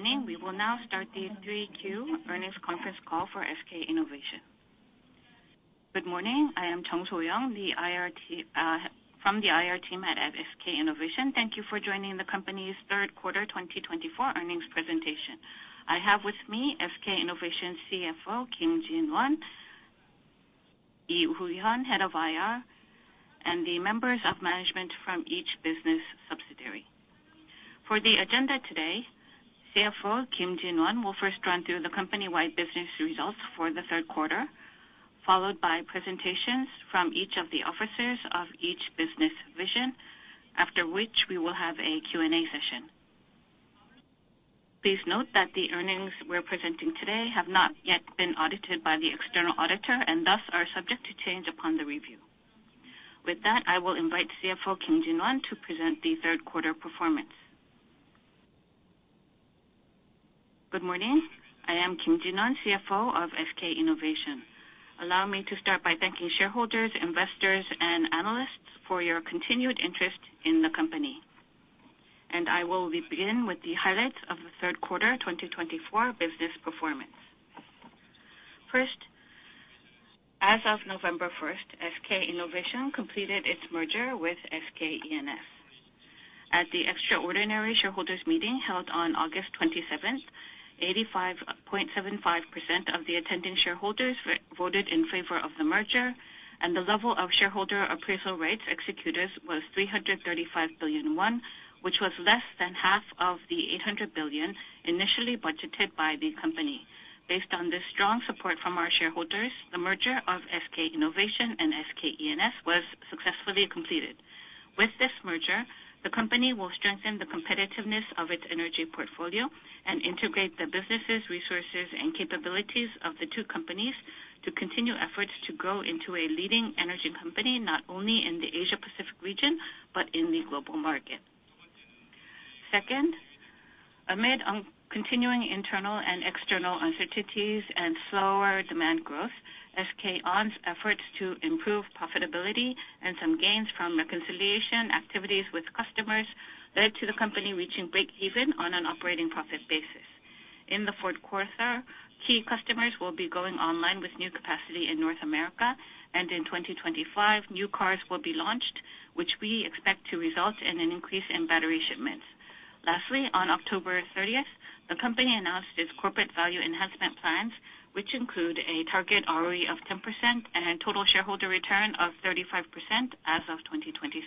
Good morning. We will now start the 3Q Earnings Conference Call for SK Innovation. Good morning. I am Jung So-young, from the IR team at SK Innovation. Thank you for joining the company's third quarter 2024 earnings presentation. I have with me SK Innovation CFO, Kim Jin-won, Lee Woo-hyun, Head of IR, and the members of management from each business subsidiary. For the agenda today, CFO Kim Jin-won will first run through the company-wide business results for the third quarter, followed by presentations from each of the officers of each business division, after which we will have a Q&A session. Please note that the earnings we're presenting today have not yet been audited by the external auditor and thus are subject to change upon the review. With that, I will invite CFO Kim Jin-won to present the third quarter performance. Good morning. I am Kim Jin-won, CFO of SK Innovation. Allow me to start by thanking shareholders, investors, and analysts for your continued interest in the company, and I will begin with the highlights of the third quarter 2024 business performance. First, as of November 1st, SK Innovation completed its merger with SK E&S. At the extraordinary shareholders' meeting held on August 27th, 85.75% of the attending shareholders voted in favor of the merger, and the level of shareholder appraisal rights exercise was 335 billion won, which was less than half of the 800 billion KRW initially budgeted by the company. Based on the strong support from our shareholders, the merger of SK Innovation and SK E&S was successfully completed. With this merger, the company will strengthen the competitiveness of its energy portfolio and integrate the businesses, resources, and capabilities of the two companies to continue efforts to grow into a leading energy company not only in the Asia-Pacific region but in the global market. Second, amid continuing internal and external uncertainties and slower demand growth, SK On's efforts to improve profitability and some gains from reconciliation activities with customers led to the company reaching break-even on an operating profit basis. In the fourth quarter, key customers will be going online with new capacity in North America, and in 2025, new cars will be launched, which we expect to result in an increase in battery shipments. Lastly, on October 30th, the company announced its corporate value enhancement plans, which include a target ROE of 10% and total shareholder return of 35% as of 2027.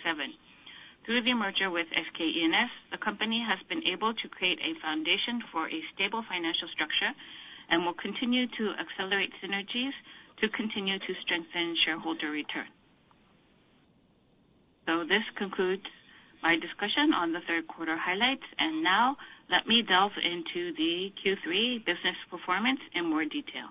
Through the merger with SK E&S, the company has been able to create a foundation for a stable financial structure and will continue to accelerate synergies to continue to strengthen shareholder return. This concludes my discussion on the third quarter highlights. Now, let me delve into the Q3 business performance in more detail.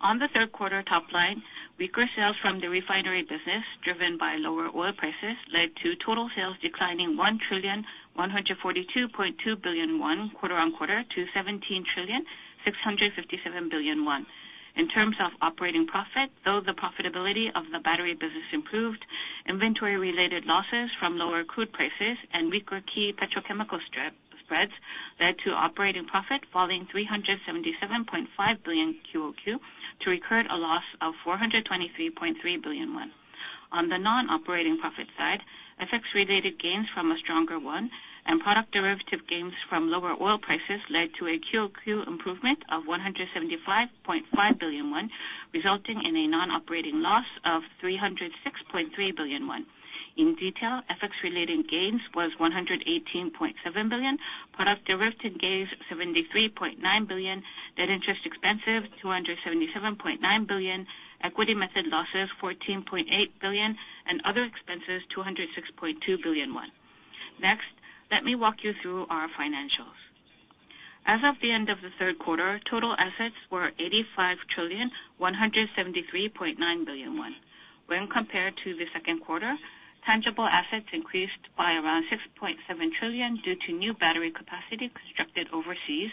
On the third quarter top line, weaker sales from the refinery business, driven by lower oil prices, led to total sales declining 1,142.2 billion won quarter on quarter to 17,657 billion won. In terms of operating profit, though the profitability of the battery business improved, inventory-related losses from lower crude prices and weaker key petrochemical spreads led to operating profit falling 377.5 billion QoQ, resulting in a loss of 423.3 billion won. On the non-operating profit side, FX-related gains from a stronger won and product derivative gains from lower oil prices led to a QoQ improvement of 175.5 billion won, resulting in a non-operating loss of 306.3 billion won. In detail, FX-related gains was 118.7 billion, product derivative gains 73.9 billion, debt-interest expenses 277.9 billion, equity method losses 14.8 billion, and other expenses 206.2 billion won. Next, let me walk you through our financials. As of the end of the third quarter, total assets were 85,173.9 billion won. When compared to the second quarter, tangible assets increased by around 6.7 trillion due to new battery capacity constructed overseas,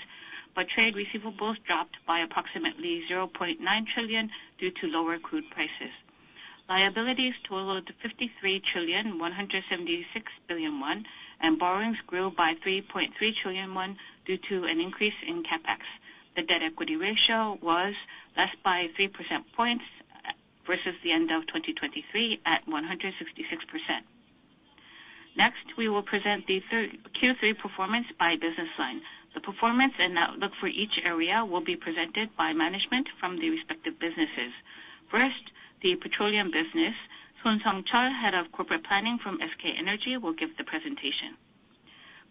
but trade receivables dropped by approximately 0.9 trillion due to lower crude prices. Liabilities totaled 53,176 billion won, and borrowings grew by 3.3 trillion won due to an increase in CapEx. The debt-equity ratio was less by 3 percentage points versus the end of 2023 at 166%. Next, we will present the Q3 performance by business line. The performance and outlook for each area will be presented by management from the respective businesses. First, the petroleum business. Son Seong-cheol, Head of Corporate Planning from SK Energy, will give the presentation.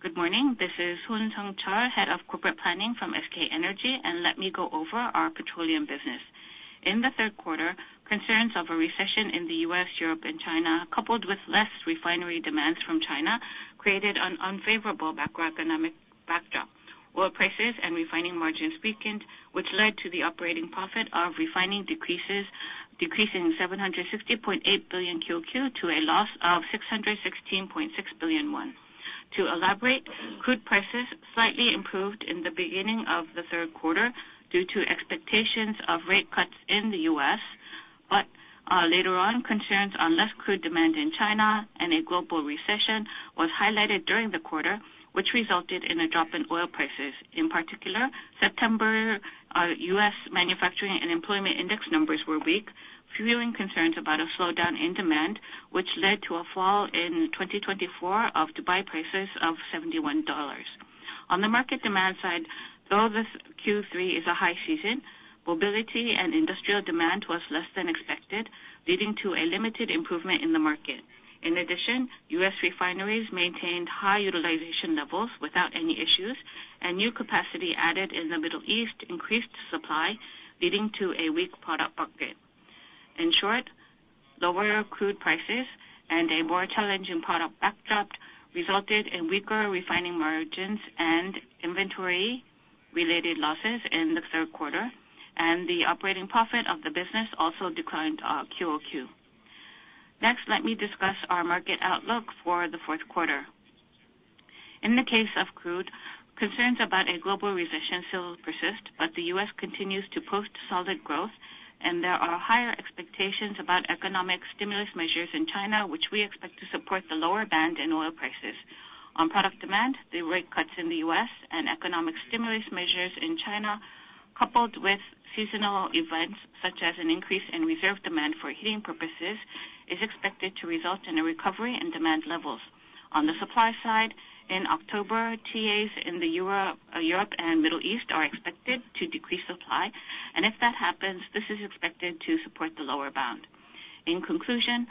Good morning. This is Son Seong-cheol, Head of Corporate Planning from SK Energy, and let me go over our petroleum business. In the third quarter, concerns of a recession in the U.S., Europe, and China, coupled with less refinery demands from China, created an unfavorable macroeconomic backdrop. Oil prices and refining margins weakened, which led to the operating profit of refining decreasing 760.8 billion QoQ to a loss of 616.6 billion won. To elaborate, crude prices slightly improved in the beginning of the third quarter due to expectations of rate cuts in the U.S., but later on, concerns on less crude demand in China and a global recession were highlighted during the quarter, which resulted in a drop in oil prices. In particular, September U.S. manufacturing and employment index numbers were weak, fueling concerns about a slowdown in demand, which led to a fall in 2024 of Dubai prices of $71. On the market demand side, though this Q3 is a high season, mobility and industrial demand was less than expected, leading to a limited improvement in the market. In addition, U.S. refineries maintained high utilization levels without any issues, and new capacity added in the Middle East increased supply, leading to a weak product market. In short, lower crude prices and a more challenging product backdrop resulted in weaker refining margins and inventory-related losses in the third quarter, and the operating profit of the business also declined QoQ. Next, let me discuss our market outlook for the fourth quarter. In the case of crude, concerns about a global recession still persist, but the U.S. continues to post solid growth, and there are higher expectations about economic stimulus measures in China, which we expect to support the lower band in oil prices. On product demand, the rate cuts in the U.S. and economic stimulus measures in China, coupled with seasonal events such as an increase in reserve demand for heating purposes, is expected to result in a recovery in demand levels. On the supply side, in October, TAs in Europe and the Middle East are expected to decrease supply, and if that happens, this is expected to support the lower bound. In conclusion,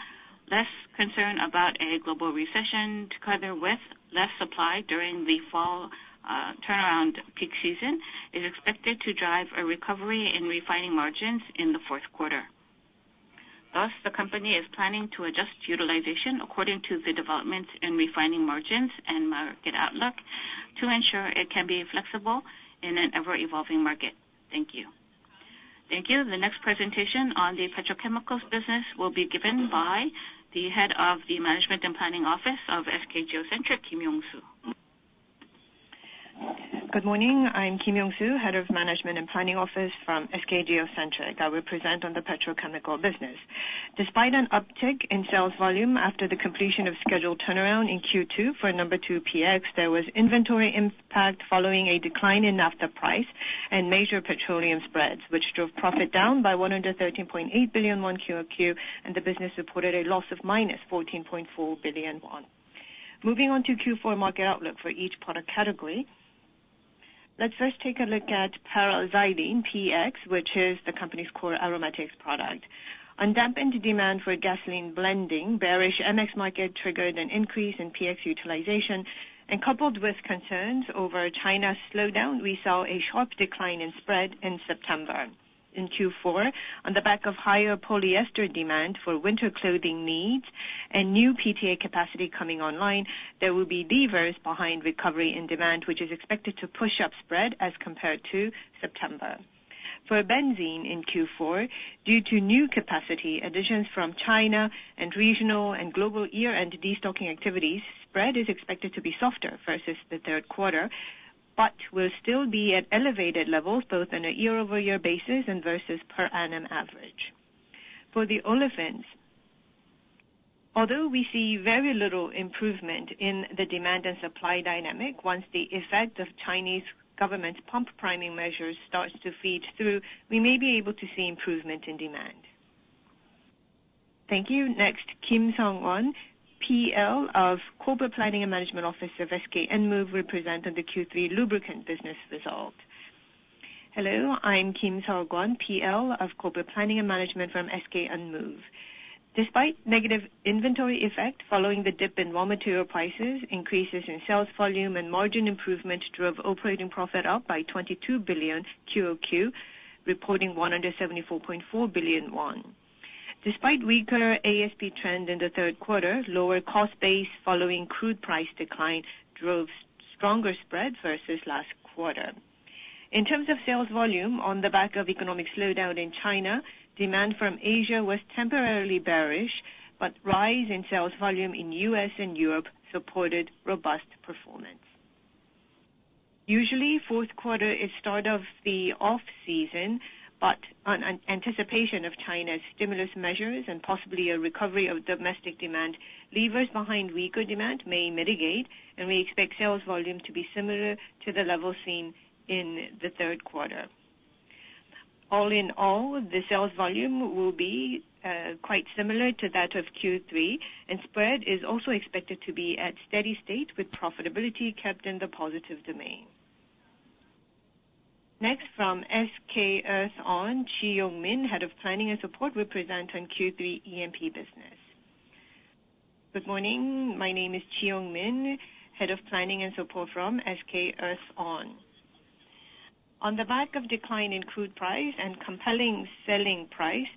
less concern about a global recession together with less supply during the fall turnaround peak season is expected to drive a recovery in refining margins in the fourth quarter. Thus, the company is planning to adjust utilization according to the developments in refining margins and market outlook to ensure it can be flexible in an ever-evolving market. Thank you. Thank you. The next presentation on the petrochemicals business will be given by the Head of the Management and Planning Office of SK Geocentric, Kim Yong-soo. Good morning. I'm Kim Yong-soo, Head of the Management and Planning Office from SK Geocentric. I will present on the petrochemical business. Despite an uptick in sales volume after the completion of scheduled turnaround in Q2 for No. 2 PX, there was inventory impact following a decline in spot price and major petroleum spreads, which drove profit down by 113.8 billion won QoQ, and the business reported a loss of minus 14.4 billion won. Moving on to Q4 market outlook for each product category, let's first take a look at paraxylene PX, which is the company's core aromatics product. Undampened demand for gasoline blending, bearish MX market triggered an increase in PX utilization, and coupled with concerns over China's slowdown, we saw a sharp decline in spread in September. In Q4, on the back of higher polyester demand for winter clothing needs and new PTA capacity coming online, there will be recovery in demand, which is expected to push up spread as compared to September. For benzene in Q4, due to new capacity additions from China and regional and global year-end destocking activities, spread is expected to be softer versus the third quarter, but will still be at elevated levels both on a year-over-year basis and versus per annum average. For the olefins, although we see very little improvement in the demand and supply dynamic, once the effect of Chinese government's pump priming measures starts to feed through, we may be able to see improvement in demand. Thank you. Next, Kim Seong-won, PL of Corporate Planning and Management Office of SK Enmove will present on the Q3 lubricant business result. Hello. I'm Kim Seong-won, PL of Corporate Planning and Management from SK Enmove. Despite negative inventory effect following the dip in raw material prices, increases in sales volume and margin improvement drove operating profit up by 22 billion QoQ, reporting 174.4 billion won. Despite weaker ASP trend in the third quarter, lower cost base following crude price decline drove stronger spread versus last quarter. In terms of sales volume, on the back of economic slowdown in China, demand from Asia was temporarily bearish, but rise in sales volume in U.S. and Europe supported robust performance. Usually, fourth quarter is start of the off-season, but on anticipation of China's stimulus measures and possibly a recovery of domestic demand, drivers behind weaker demand may mitigate, and we expect sales volume to be similar to the level seen in the third quarter. All in all, the sales volume will be quite similar to that of Q3, and spread is also expected to be at steady state with profitability kept in the positive domain. Next, from SK Earthon, Chi Yong-min, Head of Planning and Support, will present on Q3 E&P business. Good morning. My name is Chi Yong-min, Head of Planning and Support from SK Earthon. On the back of decline in crude price and compelling selling price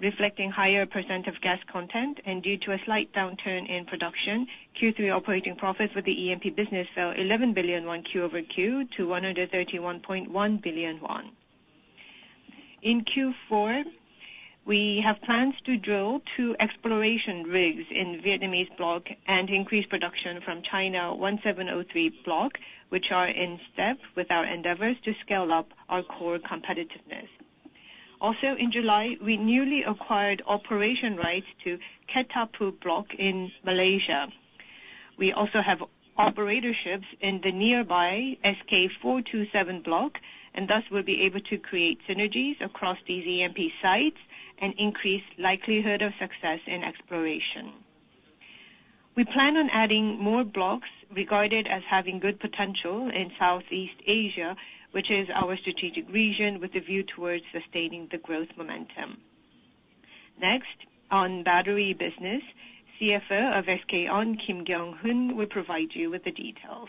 reflecting higher % of gas content, and due to a slight downturn in production, Q3 operating profit for the E&P business fell 11 billion won QoQ to 131.1 billion won. In Q4, we have plans to drill two exploration rigs in Vietnam block and increase production from China 17/03 block, which are in step with our endeavors to scale up our core competitiveness. Also, in July, we newly acquired operation rights to Ketapu block in Malaysia. We also have operatorships in the nearby SK427 block, and thus we'll be able to create synergies across these E&P sites and increase likelihood of success in exploration. We plan on adding more blocks regarded as having good potential in Southeast Asia, which is our strategic region with a view towards sustaining the growth momentum. Next, on battery business, CFO of SK On, Kim Kyung-hoon, will provide you with the details.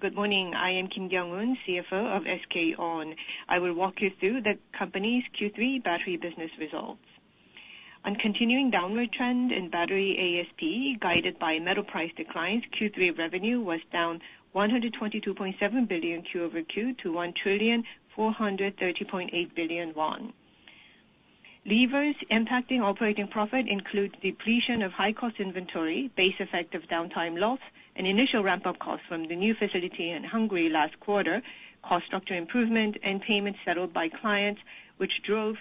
Good morning. I am Kim Kyung-hoon, CFO of SK On. I will walk you through the company's Q3 battery business results. On continuing downward trend in battery ASP guided by metal price declines, Q3 revenue was down 122.7 billion KRW QoQ to 1,430.8 billion won. Levers impacting operating profit include depletion of high-cost inventory, base effect of downtime loss, and initial ramp-up costs from the new facility in Hungary last quarter, cost structure improvement, and payments settled by clients, which drove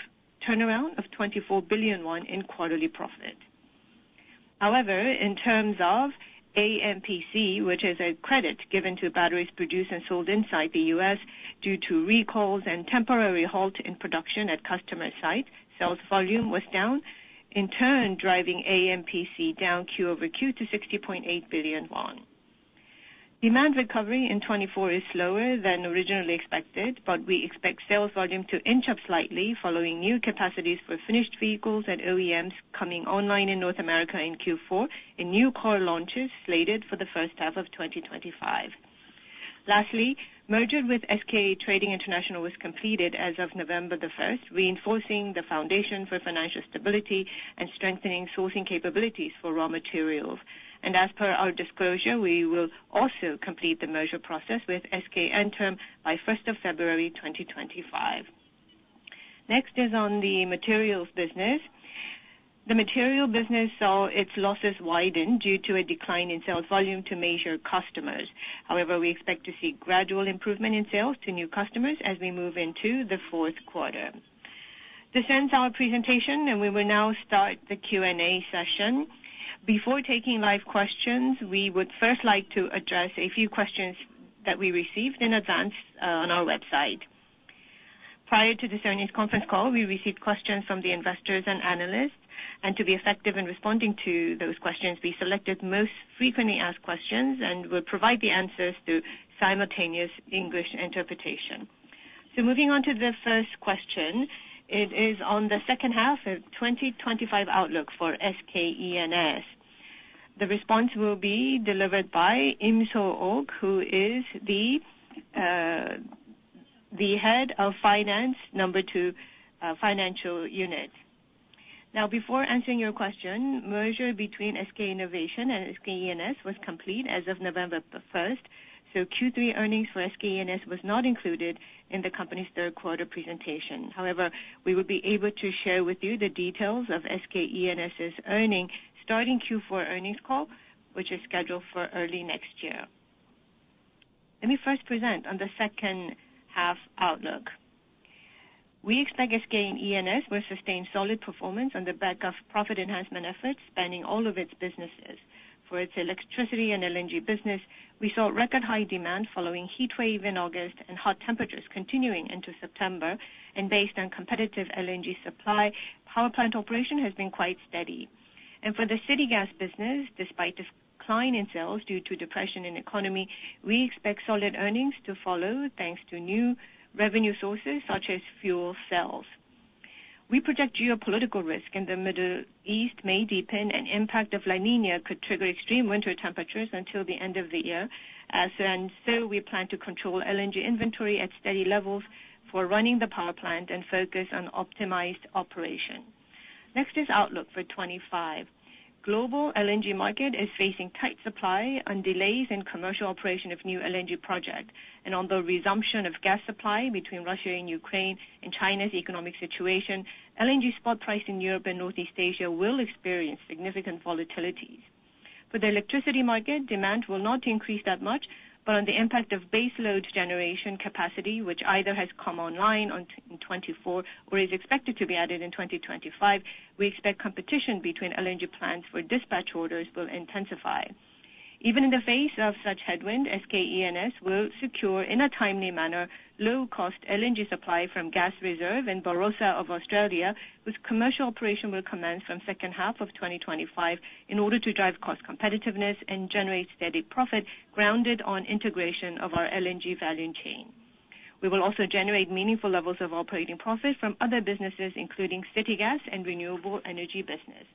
turnaround of 24 billion won in quarterly profit. However, in terms of AMPC, which is a credit given to batteries produced and sold inside the U.S. due to recalls and temporary halt in production at customer sites, sales volume was down, in turn driving AMPC down QoQ to 60.8 billion won. Demand recovery in 2024 is slower than originally expected, but we expect sales volume to inch up slightly following new capacities for finished vehicles and OEMs coming online in North America in Q4 and new car launches slated for the first half of 2025. Lastly, merger with SK Trading International was completed as of November the 1st, reinforcing the foundation for financial stability and strengthening sourcing capabilities for raw materials, and as per our disclosure, we will also complete the merger process with SK Enterm by 1st of February 2025. Next is on the materials business. The materials business saw its losses widen due to a decline in sales volume to major customers. However, we expect to see gradual improvement in sales to new customers as we move into the fourth quarter. This ends our presentation, and we will now start the Q&A session. Before taking live questions, we would first like to address a few questions that we received in advance on our website. Prior to this earnings conference call, we received questions from the investors and analysts, and to be effective in responding to those questions, we selected most frequently asked questions and will provide the answers through simultaneous English interpretation, so moving on to the first question, it is on the second half of 2025 outlook for SK E&S. The response will be delivered by Im Sol-ok, who is the Head of Finance, Financial Unit 2. Now, before answering your question, merger between SK Innovation and SK E&S was complete as of November the 1st, so Q3 earnings for SK E&S was not included in the company's third-quarter presentation. However, we will be able to share with you the details of SK E&S's earnings starting Q4 earnings call, which is scheduled for early next year. Let me first present on the second half outlook. We expect SK E&S will sustain solid performance on the back of profit enhancement efforts spanning all of its businesses. For its electricity and LNG business, we saw record-high demand following heat wave in August and hot temperatures continuing into September, and based on competitive LNG supply, power plant operation has been quite steady, and for the city gas business, despite decline in sales due to depression in economy, we expect solid earnings to follow thanks to new revenue sources such as fuel cells. We project geopolitical risk in the Middle East may deepen, and impact of La Niña could trigger extreme winter temperatures until the end of the year, and so we plan to control LNG inventory at steady levels for running the power plant and focus on optimized operation. Next is outlook for 2025. Global LNG market is facing tight supply on delays in commercial operation of new LNG projects, and on the resumption of gas supply between Russia and Ukraine and China's economic situation, LNG spot price in Europe and Northeast Asia will experience significant volatilities. For the electricity market, demand will not increase that much, but on the impact of baseload generation capacity, which either has come online in 2024 or is expected to be added in 2025, we expect competition between LNG plants for dispatch orders will intensify. Even in the face of such headwind, SK E&S will secure in a timely manner low-cost LNG supply from Gas Reserve in Barossa of Australia, whose commercial operation will commence from second half of 2025 in order to drive cost competitiveness and generate steady profit grounded on integration of our LNG value chain. We will also generate meaningful levels of operating profit from other businesses, including city gas and renewable energy business.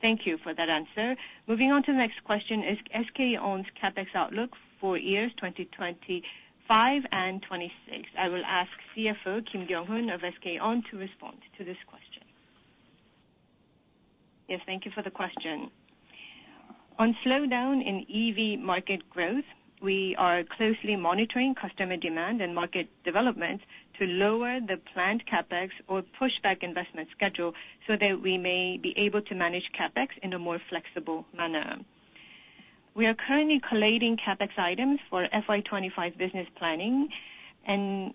Thank you for that answer. Moving on to the next question is SK On's CapEx outlook for years 2025 and 2026. I will ask CFO Kim Kyung-hoon of SK On to respond to this question. Yes, thank you for the question. On slowdown in EV market growth, we are closely monitoring customer demand and market development to lower the planned CapEx or push back investment schedule so that we may be able to manage CapEx in a more flexible manner. We are currently collating CapEx items for FY25 business planning, and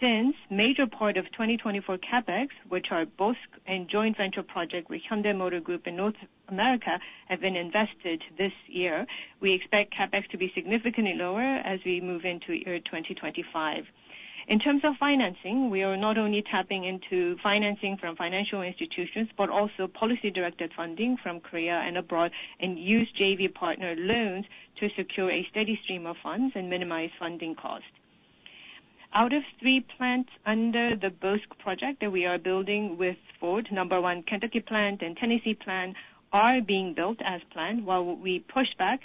since a major part of 2024 CapEx, which are both a joint venture project with Hyundai Motor Group in North America, have been invested this year, we expect CapEx to be significantly lower as we move into year 2025. In terms of financing, we are not only tapping into financing from financial institutions, but also policy-directed funding from Korea and abroad, and use JV partner loans to secure a steady stream of funds and minimize funding costs. Out of three plants under the BlueOval SK project that we are building with Ford, Kentucky Plant No. 1 and Tennessee plant are being built as planned, while we push back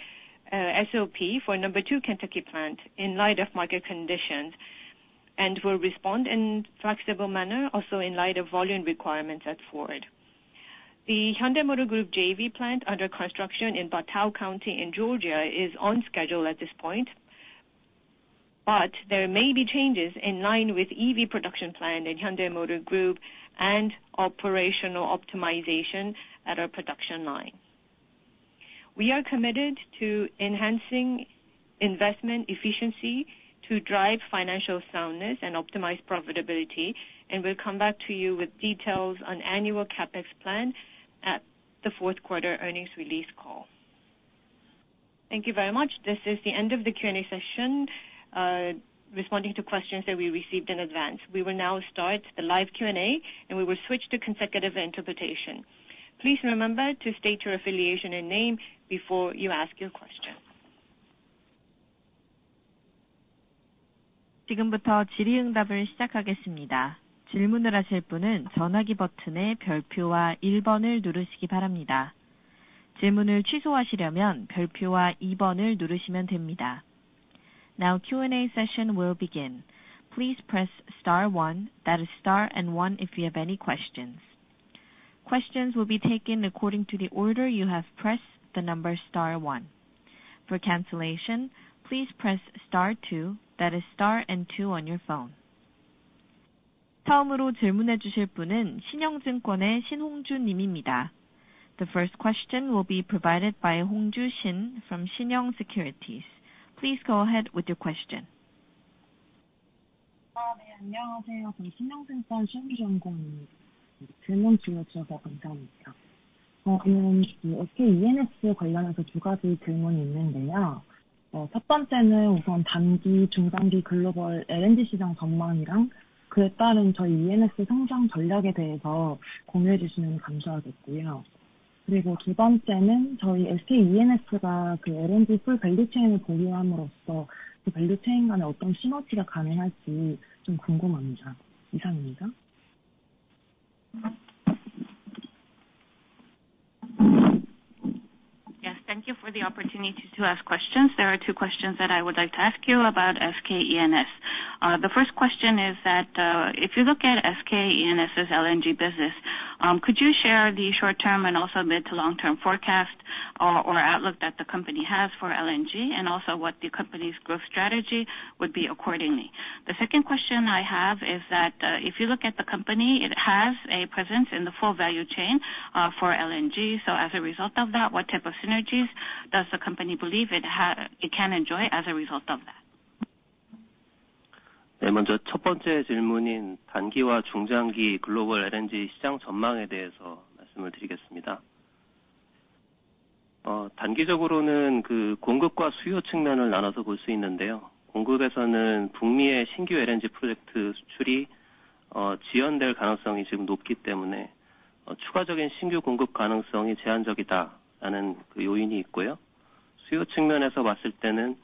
SOP for Kentucky Plant No. 2 in light of market conditions and will respond in a flexible manner also in light of volume requirements at Ford. The Hyundai Motor Group JV plant under construction in Bartow County in Georgia is on schedule at this point, but there may be changes in line with EV production plan in Hyundai Motor Group and operational optimization at our production line. We are committed to enhancing investment efficiency to drive financial soundness and optimize profitability, and we'll come back to you with details on annual CapEx plan at the fourth quarter earnings release call. Thank you very much. This is the end of the Q&A session responding to questions that we received in advance. We will now start the live Q&A, and we will switch to consecutive interpretation. Please remember to state your affiliation and name before you ask your question. 지금부터 질의응답을 시작하겠습니다. 질문을 하실 분은 전화기 버튼의 별표와 1번을 누르시기 바랍니다. 질문을 취소하시려면 별표와 2번을 누르시면 됩니다. Now Q&A session will begin. Please press Star one, that is Star and one if you have any questions. Questions will be taken according to the order you have pressed the number Star one. For cancellation, please press Star two, that is Star and two on your phone. 처음으로 질문해 주실 분은 신영증권의 신홍주 님입니다. The first question will be provided by Shin Hongju from Shinyoung Securities. Please go ahead with your question. 네, 안녕하세요. 저는 신영증권 신홍주라고 합니다. 질문 주셔서 감사합니다. 저는 SK E&S 관련해서 두 가지 질문이 있는데요. 첫 번째는 우선 단기, 중장기 글로벌 LNG 시장 전망이랑 그에 따른 저희 E&S 성장 전략에 대해서 공유해 주시면 감사하겠고요. 그리고 두 번째는 저희 SK E&S가 LNG 풀 밸류체인을 보유함으로써 밸류체인 간에 어떤 시너지가 가능할지 좀 궁금합니다. 이상입니다. Yes, thank you for the opportunity to ask questions. There are two questions that I would like to ask you about SK E&S. The first question is that if you look at SK E&S's LNG business, could you share the short-term and also mid-to-long-term forecast or outlook that the company has for LNG, and also what the company's growth strategy would be accordingly? The second question I have is that if you look at the company, it has a presence in the full value chain for LNG, so as a result of that, what type of synergies does the company believe it can enjoy as a result of that? 네, 먼저 첫 번째 질문인 단기와 중장기 글로벌 LNG 시장 전망에 대해서 말씀을 드리겠습니다. 단기적으로는 공급과 수요 측면을 나눠서 볼수 있는데요. 공급에서는 북미의 신규 LNG 프로젝트 수출이 지연될 가능성이 지금 높기 때문에 추가적인 신규 공급 가능성이 제한적이다라는 요인이 있고요. 수요 측면에서 봤을 때는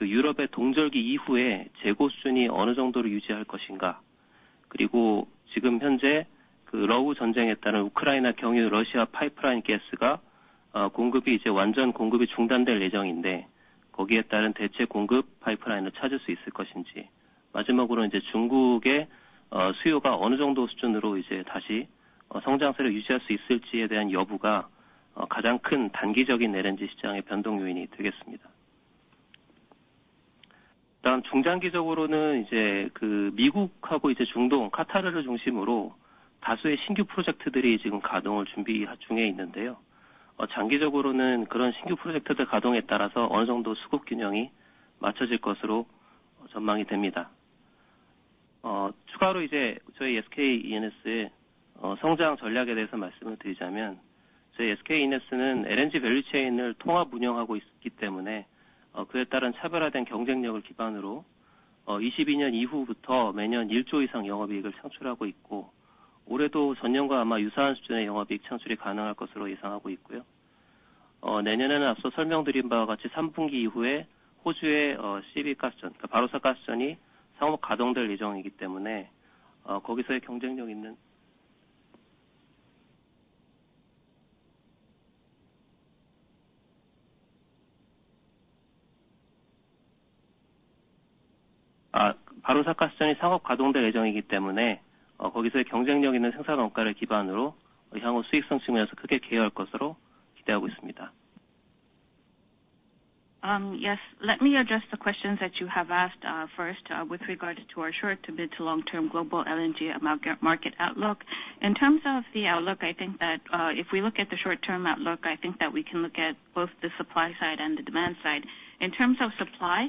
유럽의 동절기 이후에 재고 수준이 어느 정도로 유지할 것인가, 그리고 지금 현재 러시아 전쟁에 따른 우크라이나 경유 러시아 파이프라인 가스가 완전 공급이 중단될 예정인데, 거기에 따른 대체 공급 파이프라인을 찾을 수 있을 것인지, 마지막으로 이제 중국의 수요가 어느 정도 수준으로 이제 다시 성장세를 유지할 수 있을지에 대한 여부가 가장 큰 단기적인 LNG 시장의 변동 요인이 되겠습니다. 다음 중장기적으로는 이제 미국하고 이제 중동, 카타르를 중심으로 다수의 신규 프로젝트들이 지금 가동을 준비 중에 있는데요. 장기적으로는 그런 신규 프로젝트들 가동에 따라서 어느 정도 수급 균형이 맞춰질 것으로 전망이 됩니다. 추가로 이제 저희 SK E&S의 성장 전략에 대해서 말씀을 드리자면, 저희 SK E&S는 LNG 밸류체인을 통합 운영하고 있기 때문에 그에 따른 차별화된 경쟁력을 기반으로 2022년 이후부터 매년 1조 이상 영업이익을 창출하고 있고, 올해도 전년과 아마 유사한 수준의 영업이익 창출이 가능할 것으로 예상하고 있고요. 내년에는 앞서 설명드린 바와 같이 3분기 이후에 호주의 CB 가스전, 바로사 가스전이 상업 가동될 예정이기 때문에 거기서의 경쟁력 있는 생산 원가를 기반으로 향후 수익성 측면에서 크게 개선할 것으로 기대하고 있습니다. Yes, let me address the questions that you have asked first with regards to our short to mid-to-long-term global LNG market outlook. In terms of the outlook, I think that if we look at the short-term outlook, I think that we can look at both the supply side and the demand side. In terms of supply,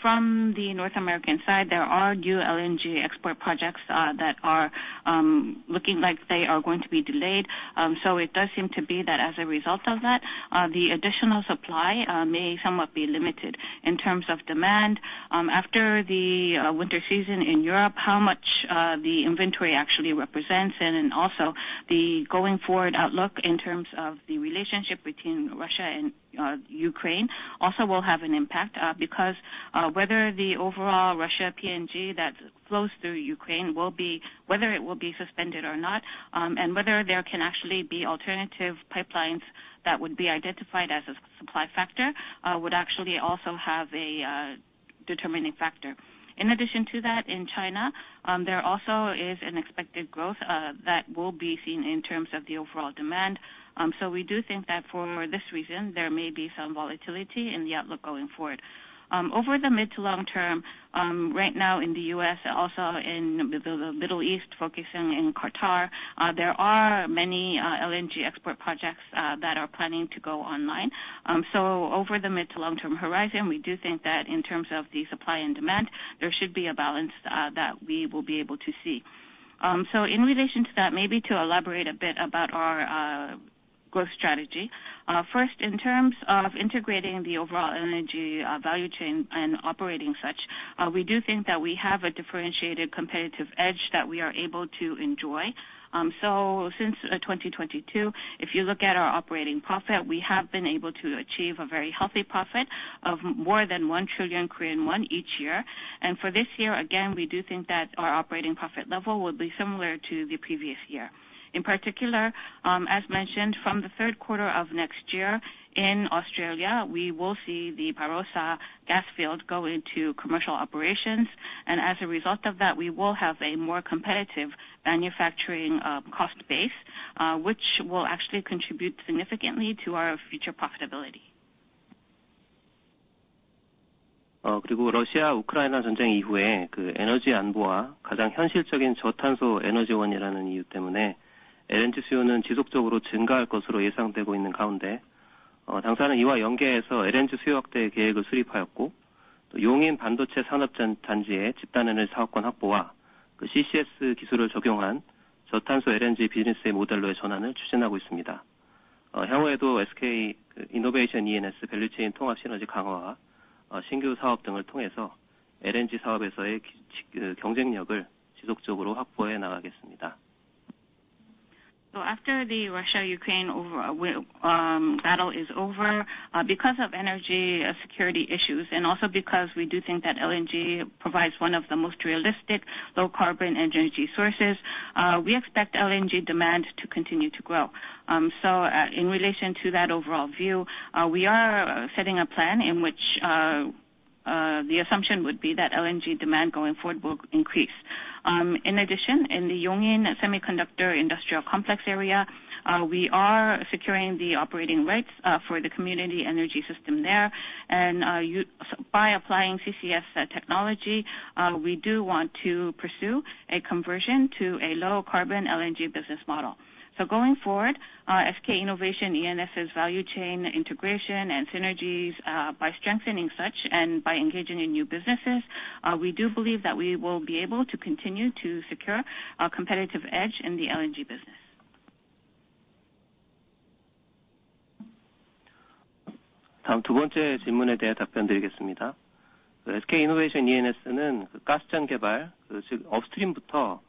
from the North American side, there are new LNG export projects that are looking like they are going to be delayed, so it does seem to be that as a result of that, the additional supply may somewhat be limited in terms of demand. After the winter season in Europe, how much the inventory actually represents and also the going forward outlook in terms of the relationship between Russia and Ukraine also will have an impact because whether the overall Russian gas that flows through Ukraine will be, whether it will be suspended or not, and whether there can actually be alternative pipelines that would be identified as a supply factor would actually also have a determining factor. In addition to that, in China, there also is an expected growth that will be seen in terms of the overall demand, so we do think that for this reason, there may be some volatility in the outlook going forward. Over the mid-to-long term, right now in the US, also in the Middle East, focusing in Qatar, there are many LNG export projects that are planning to go online, so over the mid-to-long-term horizon, we do think that in terms of the supply and demand, there should be a balance that we will be able to see. So in relation to that, maybe to elaborate a bit about our growth strategy, first in terms of integrating the overall energy value chain and operating such, we do think that we have a differentiated competitive edge that we are able to enjoy. So since 2022, if you look at our operating profit, we have been able to achieve a very healthy profit of more than 1 trillion Korean won each year, and for this year, again, we do think that our operating profit level will be similar to the previous year. In particular, as mentioned, from the third quarter of next year in Australia, we will see the Barossa gas field go into commercial operations, and as a result of that, we will have a more competitive manufacturing cost base, which will actually contribute significantly to our future profitability. 그리고 러시아-우크라이나 전쟁 이후에 에너지 안보와 가장 현실적인 저탄소 에너지원이라는 이유 때문에 LNG 수요는 지속적으로 증가할 것으로 예상되고 있는 가운데, 당사는 이와 연계해서 LNG 수요 확대 계획을 수립하였고, 용인 반도체 산업단지의 집단 에너지 사업권 확보와 CCS 기술을 적용한 저탄소 LNG 비즈니스의 모델로의 전환을 추진하고 있습니다. 향후에도 SK 이노베이션 E&S 밸류체인 통합 시너지 강화와 신규 사업 등을 통해서 LNG 사업에서의 경쟁력을 지속적으로 확보해 나가겠습니다. After the Russia-Ukraine war is over, because of energy security issues and also because we do think that LNG provides one of the most realistic low-carbon energy sources, we expect LNG demand to continue to grow. So in relation to that overall view, we are setting a plan in which the assumption would be that LNG demand going forward will increase. In addition, in the Yongin Semiconductor Industrial Complex area, we are securing the operating rights for the community energy system there, and by applying CCS technology, we do want to pursue a conversion to a low-carbon LNG business model. So going forward, SK E&S's value chain integration and synergies, by strengthening such and by engaging in new businesses, we do believe that we will be able to continue to secure a competitive edge in the LNG business. 다음 두 번째 질문에 대해 답변드리겠습니다. SK 이노베이션 E&S는 가스전 개발, 즉 업스트림부터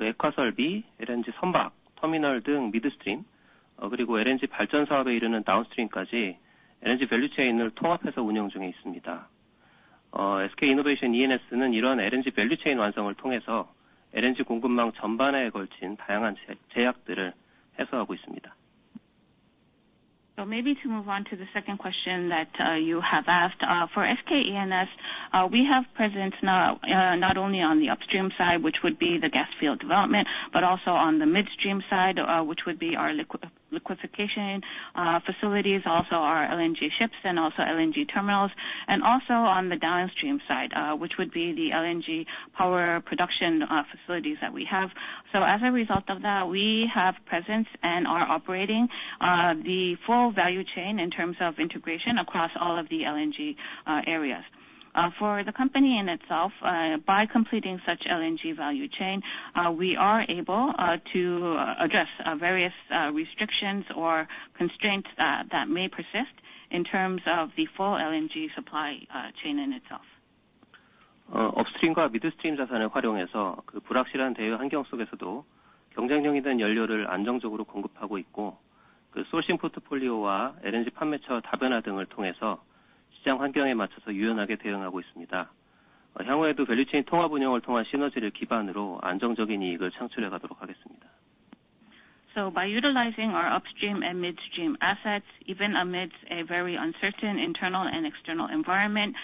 액화 설비, LNG 선박, 터미널 등 미드스트림, 그리고 LNG 발전 사업에 이르는 다운스트림까지 LNG 밸류체인을 통합해서 운영 중에 있습니다. SK 이노베이션 E&S는 이러한 LNG 밸류체인 완성을 통해서 LNG 공급망 전반에 걸친 다양한 제약들을 해소하고 있습니다. Maybe to move on to the second question that you have asked, for SK E&S, we have presence not only on the upstream side, which would be the gas field development, but also on the midstream side, which would be our liquefaction facilities, also our LNG ships and also LNG terminals, and also on the downstream side, which would be the LNG power production facilities that we have. So as a result of that, we have presence and are operating the full value chain in terms of integration across all of the LNG areas. For the company in itself, by completing such LNG value chain, we are able to address various restrictions or constraints that may persist in terms of the full LNG supply chain in itself. 업스트림과 미드스트림 자산을 활용해서 불확실한 대외 환경 속에서도 경쟁력 있는 연료를 안정적으로 공급하고 있고, 소싱 포트폴리오와 LNG 판매처 다변화 등을 통해서 시장 환경에 맞춰서 유연하게 대응하고 있습니다. 향후에도 밸류체인 통합 운영을 통한 시너지를 기반으로 안정적인 이익을 창출해 가도록 하겠습니다. So by utilizing our upstream and midstream assets, even amidst a very uncertain internal and external environment,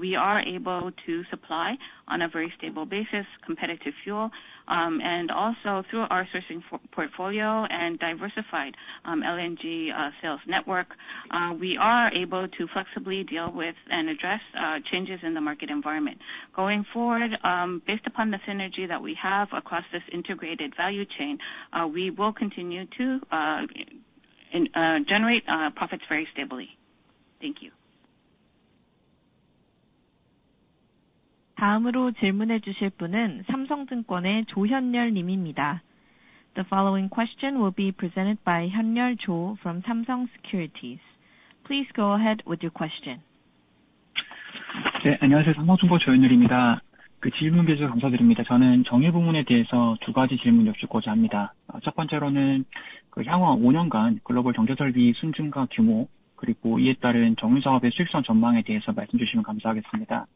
we are able to supply on a very stable basis competitive fuel, and also through our sourcing portfolio and diversified LNG sales network, we are able to flexibly deal with and address changes in the market environment. Going forward, based upon the synergy that we have across this integrated value chain, we will continue to generate profits very stably. Thank you. 다음으로 질문해 주실 분은 삼성증권의 조현열 님입니다. The following question will be presented by Cho Hyun-ryul from Samsung Securities. Please go ahead with your question. 네, 안녕하세요. 삼성증권 조현열입니다. 질문해 주셔서 감사드립니다. 저는 정유 부문에 대해서 두 가지 질문 여쭙고자 합니다. 첫 번째로는 향후 5년간 글로벌 정제 설비 순증가 규모, 그리고 이에 따른 정유 사업의 수익성 전망에 대해서 말씀해 주시면 감사하겠습니다.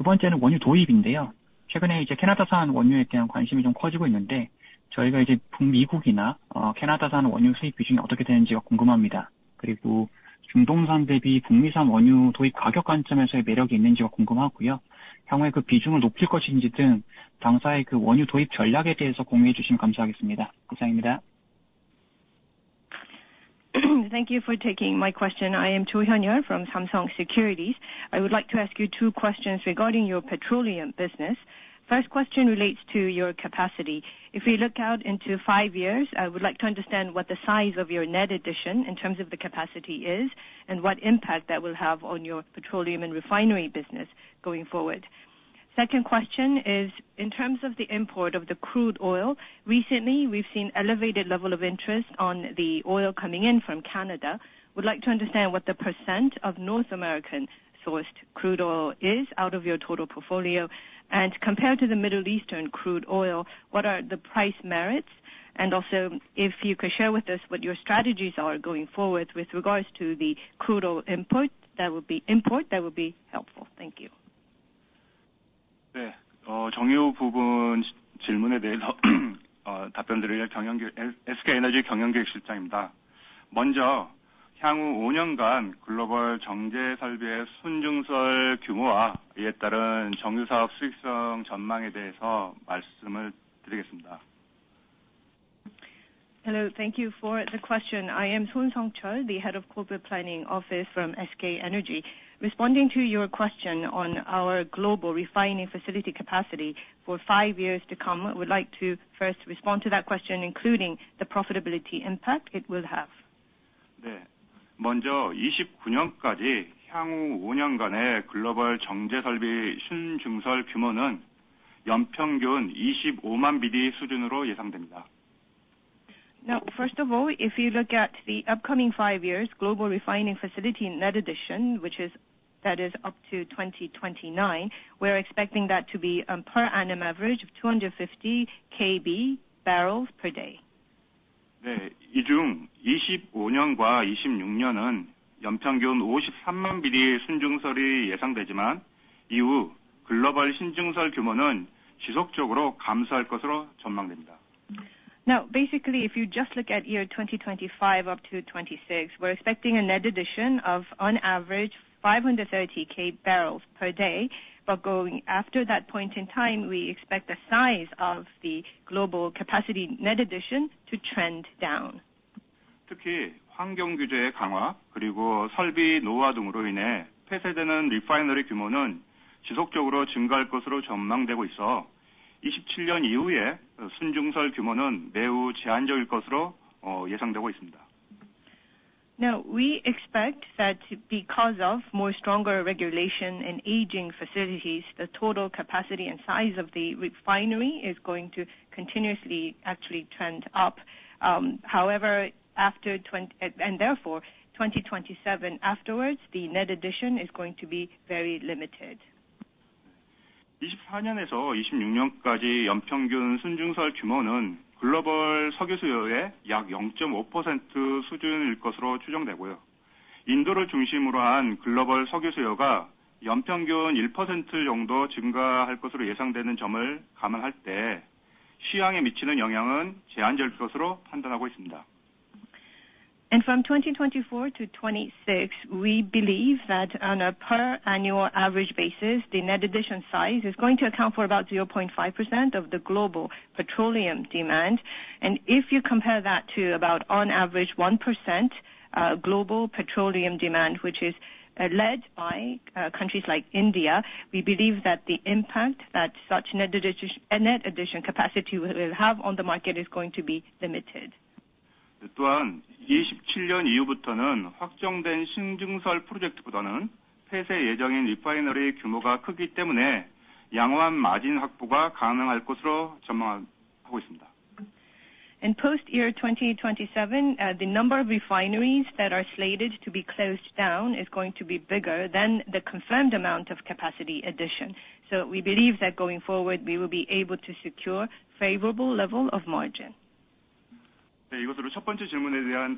두 번째는 원유 도입인데요. 최근에 캐나다산 원유에 대한 관심이 좀 커지고 있는데, 저희가 북미국이나 캐나다산 원유 수입 비중이 어떻게 되는지가 궁금합니다. 그리고 중동산 대비 북미산 원유 도입 가격 관점에서의 매력이 있는지가 궁금하고요. 향후에 그 비중을 높일 것인지 등 당사의 원유 도입 전략에 대해서 공유해 주시면 감사하겠습니다. 이상입니다. Thank you for taking my question. I am Cho Hyun-ryul from Samsung Securities. I would like to ask you two questions regarding your petroleum business. First question relates to your capacity. If we look out into five years, I would like to understand what the size of your net addition in terms of the capacity is and what impact that will have on your petroleum and refinery business going forward. Second question is in terms of the import of the crude oil. Recently, we've seen an elevated level of interest on the oil coming in from Canada. I would like to understand what the percent of North American sourced crude oil is out of your total portfolio, and compared to the Middle Eastern crude oil, what are the price merits? And also, if you could share with us what your strategies are going forward with regards to the crude oil import, that would be helpful. Thank you. 네, 정유 부분 질문에 대해서 답변드릴 SK 에너지 경영 계획 실장입니다. 먼저 향후 5년간 글로벌 정제 설비의 순증설 규모와 이에 따른 정유 사업 수익성 전망에 대해서 말씀을 드리겠습니다. Hello, thank you for the question. I am Son Seong-cheol, the head of corporate planning office from SK Energy. Responding to your question on our global refining facility capacity for five years to come, I would like to first respond to that question, including the profitability impact it will have. 네, 먼저 29년까지 향후 5년간의 글로벌 정제 설비 순증설 규모는 연평균 25만 BD 수준으로 예상됩니다. Now, first of all, if you look at the upcoming five years, global refining facility net addition, which is up to 2029, we're expecting that to be a per annum average of 250 Kb/d barrels per day. 네, 이중 25년과 26년은 연평균 53만 BD 순증설이 예상되지만, 이후 글로벌 순증설 규모는 지속적으로 감소할 것으로 전망됩니다. Now, basically, if you just look at year 2025 up to 2026, we're expecting a net addition of, on average, 530 Kb/d barrels per day, but going after that point in time, we expect the size of the global capacity net addition to trend down. 특히 환경 규제의 강화, 그리고 설비 노후화 등으로 인해 폐쇄되는 리파이너리 규모는 지속적으로 증가할 것으로 전망되고 있어 2027년 이후의 순증설 규모는 매우 제한적일 것으로 예상되고 있습니다. Now, we expect that because of more stronger regulation and aging facilities, the total capacity and size of the refinery is going to continuously actually trend up. However, after 2027, afterwards, the net addition is going to be very limited. 2024년에서 2026년까지 연평균 순증설 규모는 글로벌 석유 수요의 약 0.5% 수준일 것으로 추정되고요. 인도를 중심으로 한 글로벌 석유 수요가 연평균 1% 정도 증가할 것으로 예상되는 점을 감안할 때, 시황에 미치는 영향은 제한적일 것으로 판단하고 있습니다. And from 2024 to 2026, we believe that on a per-annual average basis, the net addition size is going to account for about 0.5% of the global petroleum demand, and if you compare that to about, on average, 1% global petroleum demand, which is led by countries like India, we believe that the impact that such net addition capacity will have on the market is going to be limited. 또한 27년 이후부터는 확정된 순증설 프로젝트보다는 폐쇄 예정인 리파이너리 규모가 크기 때문에 양호한 마진 확보가 가능할 것으로 전망하고 있습니다. and post-year 2027, the number of refineries that are slated to be closed down is going to be bigger than the confirmed amount of capacity addition, so we believe that going forward we will be able to secure a favorable level of margin. 네, 이것으로 첫 번째 질문에 대한 답을 마치고, 두 번째 질문을 보면 미국, 캐나다산 원유의 도입 비중을 중심으로 해서 향후 원유 도입 전략, 그리고 중동산 원유 대비 매력이 있는지 여부와, 그리고 그 비중을 어떻게 갖고 갈 것인지에 대한 질문을 해 주셨습니다. 이에 대한 답을 드리겠습니다. Also, moving on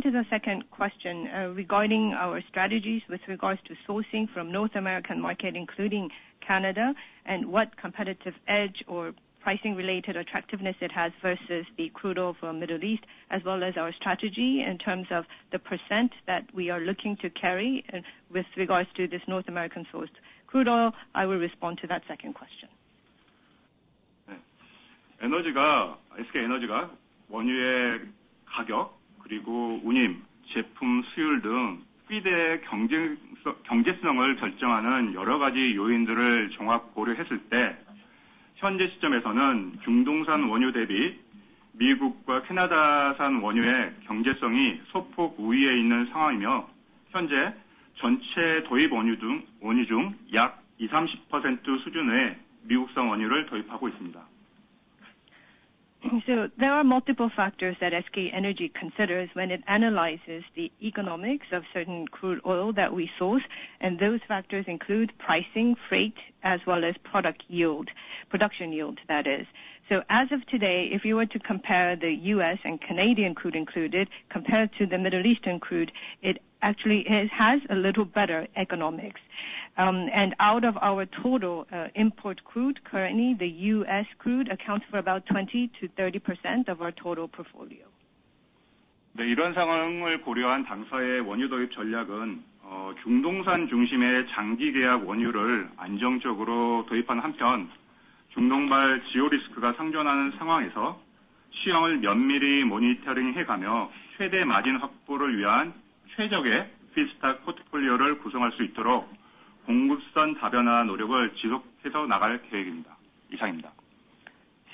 to the second question regarding our strategies with regards to sourcing from North American market, including Canada, and what competitive edge or pricing-related attractiveness it has versus the crude oil from the Middle East, as well as our strategy in terms of the percent that we are looking to carry with regards to this North American sourced crude oil, I will respond to that second question. SK 에너지가 원유의 가격, 그리고 운임, 제품 수율 등 정제의 경제성을 결정하는 여러 가지 요인들을 종합 고려했을 때, 현재 시점에서는 중동산 원유 대비 미국과 캐나다산 원유의 경제성이 소폭 우위에 있는 상황이며, 현재 전체 도입 원유 중약 20%-30% 수준의 미국산 원유를 도입하고 있습니다. So there are multiple factors that SK Energy considers when it analyzes the economics of certain crude oil that we source, and those factors include pricing, freight, as well as production yield, that is. So as of today, if you were to compare the U.S. and Canadian crude included, compared to the Middle Eastern crude, it actually has a little better economics. And out of our total import crude, currently the U.S. crude accounts for about 20%-30% of our total portfolio. 네, 이런 상황을 고려한 당사의 원유 도입 전략은 중동산 중심의 장기 계약 원유를 안정적으로 도입하는 한편, 중동발 지오리스크가 상존하는 상황에서 시황을 면밀히 모니터링해 가며 최대 마진 확보를 위한 최적의 feedstock 포트폴리오를 구성할 수 있도록 공급선 다변화 노력을 지속해서 나갈 계획입니다. 이상입니다.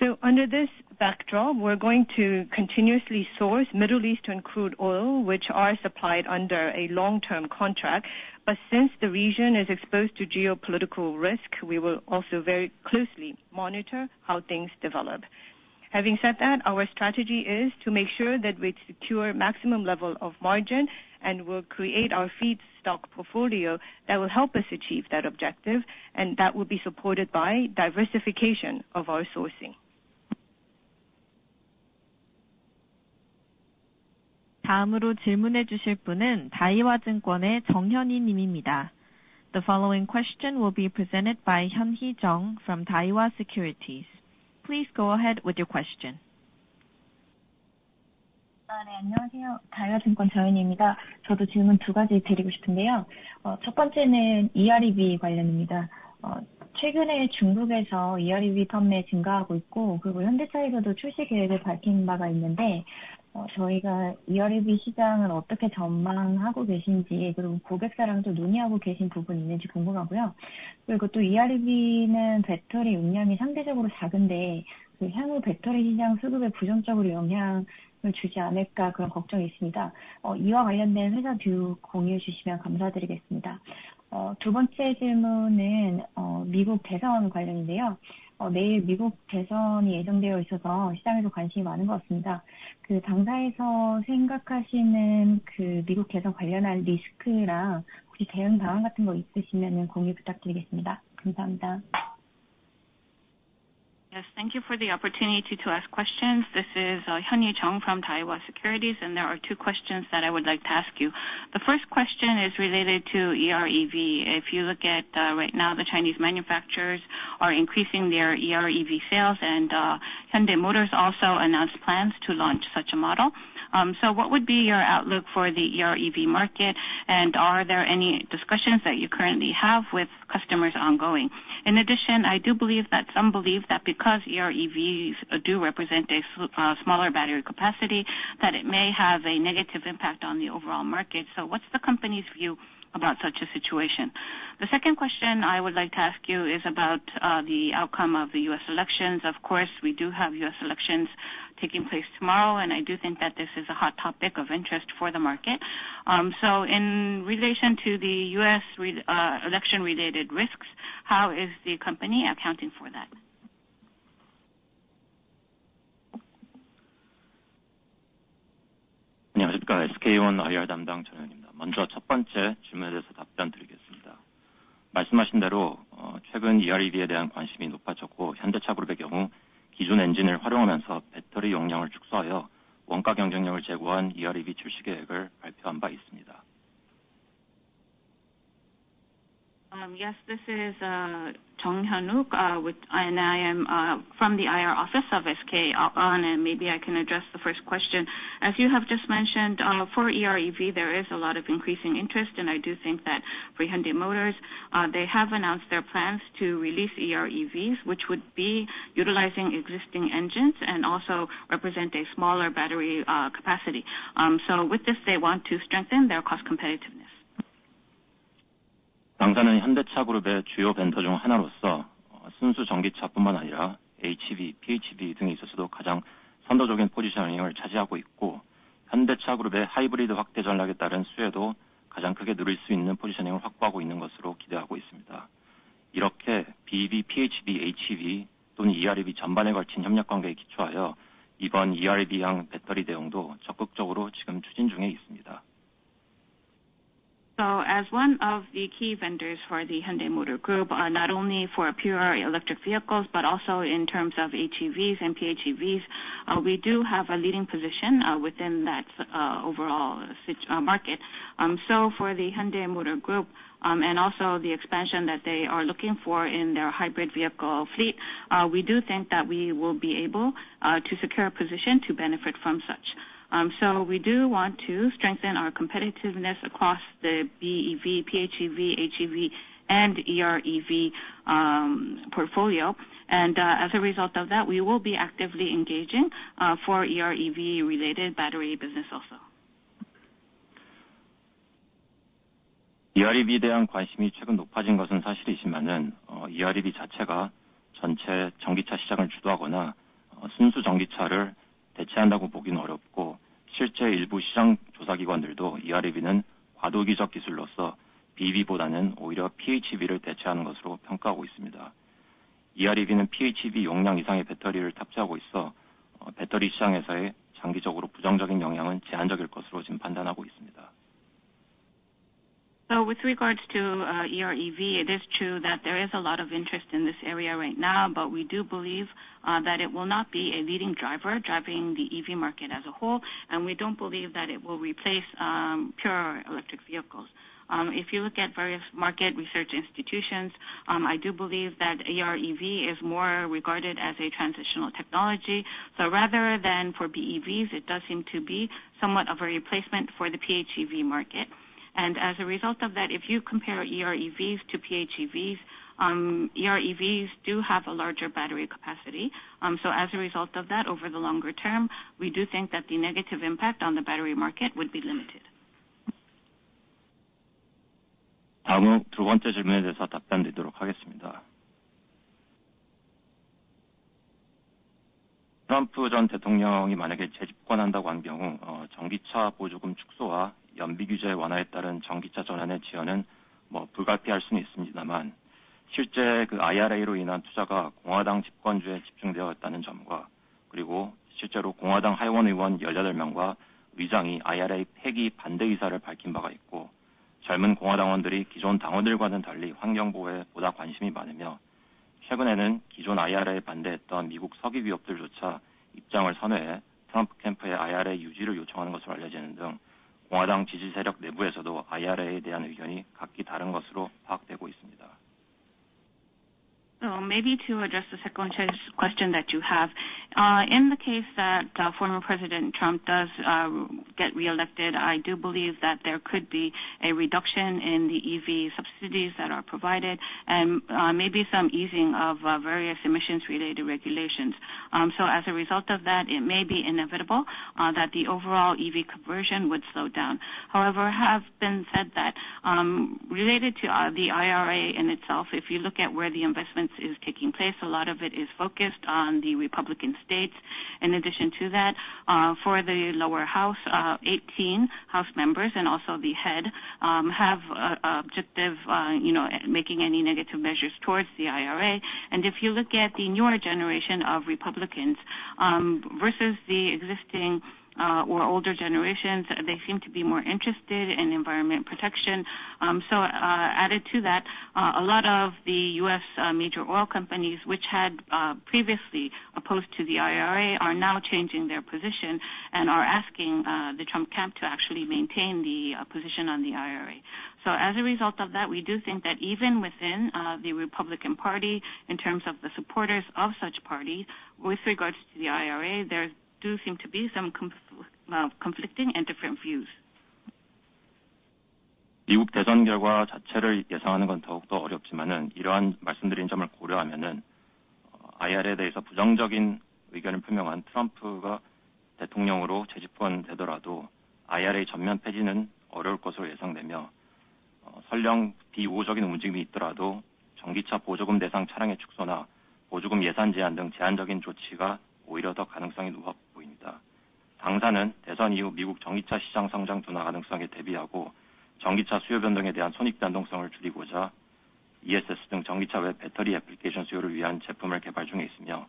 So under this backdrop, we're going to continuously source Middle Eastern crude oil, which are supplied under a long-term contract, but since the region is exposed to geopolitical risk, we will also very closely monitor how things develop. Having said that, our strategy is to make sure that we secure a maximum level of margin and will create our feedstock portfolio that will help us achieve that objective, and that will be supported by diversification of our sourcing. 다음으로 질문해 주실 분은 다이와증권의 정현희 님입니다. The following question will be presented by Jeong Hyun-hee from Daiwa Securities. Please go ahead with your question. 네, 안녕하세요. 다이와증권 정현희입니다. 저도 질문 두 가지 드리고 싶은데요. 첫 번째는 EREV 관련입니다. 최근에 중국에서 EREV 판매 증가하고 있고, 그리고 현대차에서도 출시 계획을 밝힌 바가 있는데, 저희가 EREV 시장을 어떻게 전망하고 계신지, 그리고 고객사랑도 논의하고 계신 부분이 있는지 궁금하고요. 그리고 또 EREV는 배터리 용량이 상대적으로 작은데, 향후 배터리 시장 수급에 부정적으로 영향을 주지 않을까 그런 걱정이 있습니다. 이와 관련된 회사 뷰 공유해 주시면 감사드리겠습니다. 두 번째 질문은 미국 대선 관련인데요. 내일 미국 대선이 예정되어 있어서 시장에서 관심이 많은 것 같습니다. 당사에서 생각하시는 미국 대선 관련한 리스크랑 혹시 대응 방안 같은 거 있으시면 공유 부탁드리겠습니다. 감사합니다. Yes, thank you for the opportunity to ask questions. This is Jeong Hyun-hee from Daiwa Securities, and there are two questions that I would like to ask you. The first question is related to EREV. If you look at right now, the Chinese manufacturers are increasing their EREV sales, and Hyundai Motor also announced plans to launch such a model. So what would be your outlook for the EREV market, and are there any discussions that you currently have with customers ongoing? In addition, I do believe that some believe that because EREVs do represent a smaller battery capacity, that it may have a negative impact on the overall market. So what's the company's view about such a situation? The second question I would like to ask you is about the outcome of the U.S. elections. Of course, we do have U.S. elections taking place tomorrow, and I do think that this is a hot topic of interest for the market. So in relation to the U.S. election-related risks, how is the company accounting for that? 네, Daiwa Securities의 SK IR 담당 Jeong Hyun-hee입니다. 먼저 첫 번째 질문에 대해서 답변드리겠습니다. 말씀하신 대로 최근 EREV에 대한 관심이 높아졌고, 현대차 그룹의 경우 기존 엔진을 활용하면서 배터리 용량을 축소하여 원가 경쟁력을 제고한 EREV 출시 계획을 발표한 바 있습니다. Yes, this is Jung Hyun-wook, and I am from the IR Office of SK On, and maybe I can address the first question. As you have just mentioned, for EREV, there is a lot of increasing interest, and I do think that for Hyundai Motor Group, they have announced their plans to release EREVs, which would be utilizing existing engines and also represent a smaller battery capacity. So with this, they want to strengthen their cost competitiveness. 당사는 현대차 그룹의 주요 벤더 중 하나로서 순수 전기차뿐만 아니라 HEV, PHEV 등에 있어서도 가장 선도적인 포지셔닝을 차지하고 있고, 현대차 그룹의 하이브리드 확대 전략에 따른 수혜도 가장 크게 누릴 수 있는 포지셔닝을 확보하고 있는 것으로 기대하고 있습니다. 이렇게 BEV, PHEV, HEV 또는 EREV 전반에 걸친 협력 관계에 기초하여 이번 EREV형 배터리 대응도 적극적으로 지금 추진 중에 있습니다. So as one of the key vendors for the Hyundai Motor Group, not only for pure electric vehicles but also in terms of HEVs and PHEVs, we do have a leading position within that overall market. So for the Hyundai Motor Group and also the expansion that they are looking for in their hybrid vehicle fleet, we do think that we will be able to secure a position to benefit from such. So we do want to strengthen our competitiveness across the BEV, PHEV, HEV, and EREV portfolio, and as a result of that, we will be actively engaging for EREV-related battery business also. EREV에 대한 관심이 최근 높아진 것은 사실이지만, EREV 자체가 전체 전기차 시장을 주도하거나 순수 전기차를 대체한다고 보기는 어렵고, 실제 일부 시장 조사 기관들도 EREV는 과도기적 기술로서 BEV보다는 오히려 PHEV를 대체하는 것으로 평가하고 있습니다. EREV는 PHEV 용량 이상의 배터리를 탑재하고 있어 배터리 시장에서의 장기적으로 부정적인 영향은 제한적일 것으로 지금 판단하고 있습니다. So with regards to EREV, it is true that there is a lot of interest in this area right now, but we do believe that it will not be a leading driver driving the EV market as a whole, and we don't believe that it will replace pure electric vehicles. If you look at various market research institutions, I do believe that EREV is more regarded as a transitional technology, so rather than for BEVs, it does seem to be somewhat of a replacement for the PHEV market. And as a result of that, if you compare EREVs to PHEVs, EREVs do have a larger battery capacity, so as a result of that, over the longer term, we do think that the negative impact on the battery market would be limited. 다음으로 두 번째 질문에 대해서 답변드리도록 하겠습니다. 트럼프 전 대통령이 만약에 재집권한다고 한 경우, 전기차 보조금 축소와 연비 규제 완화에 따른 전기차 전환의 지연은 불가피할 수는 있습니다만, 실제 IRA로 인한 투자가 공화당 집권주에 집중되어 있다는 점과, 그리고 실제로 공화당 하원의원 18명과 의장이 IRA 폐기 반대 의사를 밝힌 바가 있고, 젊은 공화당원들이 기존 당원들과는 달리 환경 보호에 보다 관심이 많으며, 최근에는 기존 IRA 반대했던 미국 석유 기업들조차 입장을 선회해 트럼프 캠프의 IRA 유지를 요청하는 것으로 알려지는 등 공화당 지지 세력 내부에서도 IRA에 대한 의견이 각기 다른 것으로 파악되고 있습니다. Maybe to address the second question that you have, in the case that former President Trump does get re-elected, I do believe that there could be a reduction in the EV subsidies that are provided and maybe some easing of various emissions-related regulations. So as a result of that, it may be inevitable that the overall EV conversion would slow down. However, it has been said that related to the IRA in itself, if you look at where the investment is taking place, a lot of it is focused on the Republican states. In addition to that, for the lower house, 18 House members and also the head have an objective at making any negative measures towards the IRA. And if you look at the newer generation of Republicans versus the existing or older generations, they seem to be more interested in environment protection. So added to that, a lot of the U.S. major oil companies, which had previously opposed the IRA, are now changing their position and are asking the Trump camp to actually maintain the position on the IRA. So as a result of that, we do think that even within the Republican Party, in terms of the supporters of such parties, with regards to the IRA, there do seem to be some conflicting and different views. 미국 대선 결과 자체를 예상하는 건 더욱더 어렵지만, 이러한 말씀드린 점을 고려하면 IRA에 대해서 부정적인 의견을 표명한 트럼프가 대통령으로 재집권되더라도 IRA 전면 폐지는 어려울 것으로 예상되며, 설령 비우호적인 움직임이 있더라도 전기차 보조금 대상 차량의 축소나 보조금 예산 제한 등 제한적인 조치가 오히려 더 가능성이 높아 보입니다. 당사는 대선 이후 미국 전기차 시장 성장 둔화 가능성에 대비하고 전기차 수요 변동에 대한 손익 변동성을 줄이고자 ESS 등 전기차 외 배터리 애플리케이션 수요를 위한 제품을 개발 중에 있으며,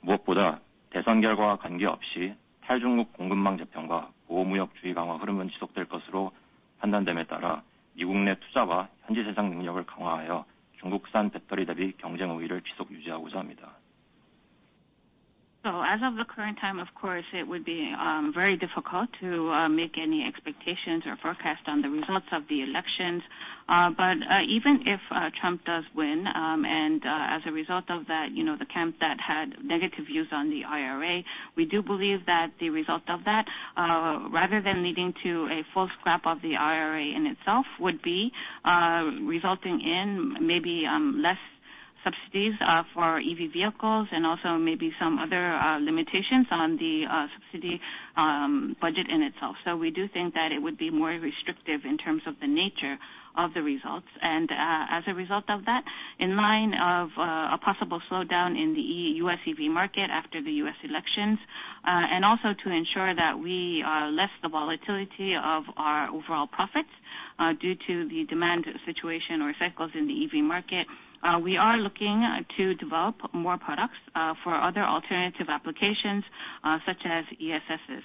무엇보다 대선 결과와 관계없이 탈중국 공급망 재편과 보호무역 주의 강화 흐름은 지속될 것으로 판단됨에 따라 미국 내 투자와 현지 시장 능력을 강화하여 중국산 배터리 대비 경쟁 우위를 지속 유지하고자 합니다. So as of the current time, of course, it would be very difficult to make any expectations or forecast on the results of the elections, but even if Trump does win and as a result of that, you know, the camp that had negative views on the IRA, we do believe that the result of that, rather than leading to a full scrap of the IRA in itself, would be resulting in maybe less subsidies for EV vehicles and also maybe some other limitations on the subsidy budget in itself. So we do think that it would be more restrictive in terms of the nature of the results. And as a result of that, in line with a possible slowdown in the U.S. EV market after the U.S. elections, and also to ensure that we lessen the volatility of our overall profits due to the demand situation or cycles in the EV market, we are looking to develop more products for other alternative applications such as ESSs.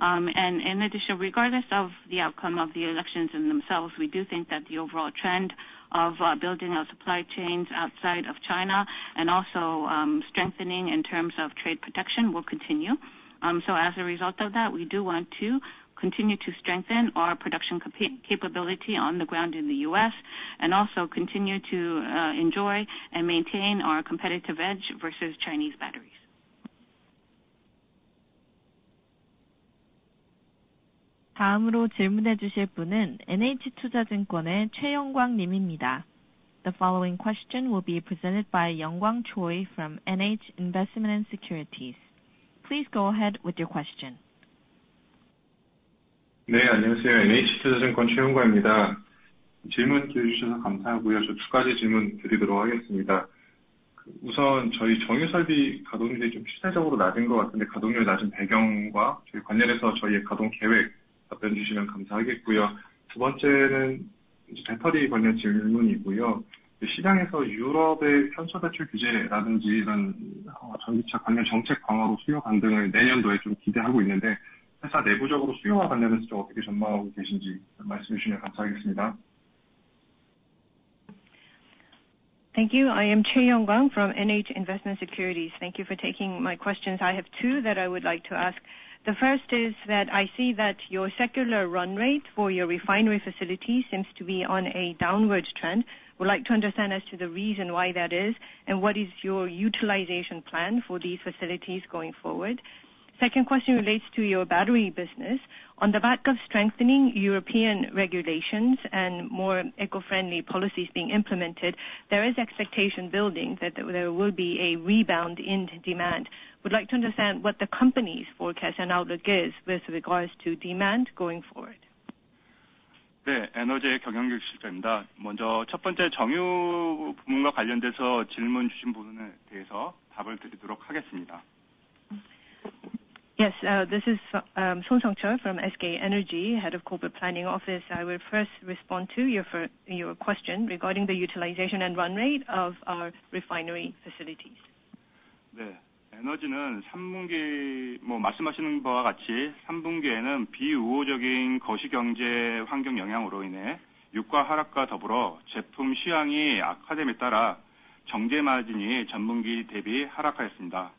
And in addition, regardless of the outcome of the elections in themselves, we do think that the overall trend of building our supply chains outside of China and also strengthening in terms of trade protection will continue. So as a result of that, we do want to continue to strengthen our production capability on the ground in the U.S. and also continue to enjoy and maintain our competitive edge versus Chinese batteries. 다음으로 질문해 주실 분은 NH투자증권의 최영광 님입니다. The following question will be presented by Choi Young-kwang from NH Investment & Securities. Please go ahead with your question. 네, 안녕하세요. NH투자증권 최영광입니다. 질문 기회 주셔서 감사하고요. 저두 가지 질문 드리도록 하겠습니다. 우선 저희 정유 설비 가동률이 좀 실질적으로 낮은 것 같은데, 가동률 낮은 배경과 관련해서 저희의 가동 계획 답변 주시면 감사하겠고요. 두 번째는 배터리 관련 질문이고요. 시장에서 유럽의 탄소 배출 규제라든지 이런 전기차 관련 정책 강화로 수요 반등을 내년도에 좀 기대하고 있는데, 회사 내부적으로 수요와 관련해서 좀 어떻게 전망하고 계신지 말씀해 주시면 감사하겠습니다. Thank you. I am Choi Young-kwang from NH Investment & Securities. Thank you for taking my questions. I have two that I would like to ask. The first is that I see that your utilization rate for your refinery facility seems to be on a downward trend. I would like to understand as to the reason why that is and what is your utilization plan for these facilities going forward? Second question relates to your battery business. On the back of strengthening European regulations and more eco-friendly policies being implemented, there is expectation building that there will be a rebound in demand. I would like to understand what the company's forecast and outlook is with regards to demand going forward. 네, 에너지의 경영 규칙입니다. 먼저 첫 번째 정유 부문과 관련돼서 질문 주신 부분에 대해서 답을 드리도록 하겠습니다. Yes, this is Son Seong-cheol from SK Energy, Head of Corporate Planning Office. I will first respond to your question regarding the utilization and run rate of our refinery facilities. 네, 에너지는 3분기 말씀하시는 바와 같이 3분기에는 비우호적인 거시 경제 환경 영향으로 인해 유가 하락과 더불어 제품 시황이 악화됨에 따라 정제 마진이 전분기 대비 하락하였습니다.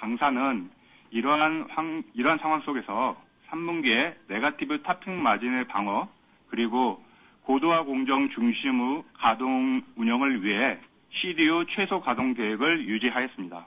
당사는 이러한 상황 속에서 3분기에 네거티브 탑핑 마진의 방어, 그리고 고도화 공정 중심의 가동 운영을 위해 CDU 최소 가동 계획을 유지하였습니다.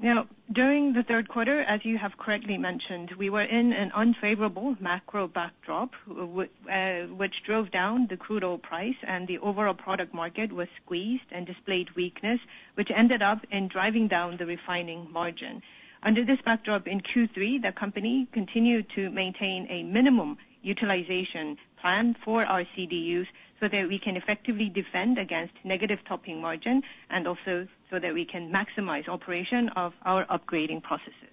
Now, during the third quarter, as you have correctly mentioned, we were in an unfavorable macro backdrop, which drove down the crude oil price, and the overall product market was squeezed and displayed weakness, which ended up in driving down the refining margin. Under this backdrop in Q3, the company continued to maintain a minimum utilization plan for our CDUs so that we can effectively defend against negative topping margin and also so that we can maximize operation of our upgrading processes.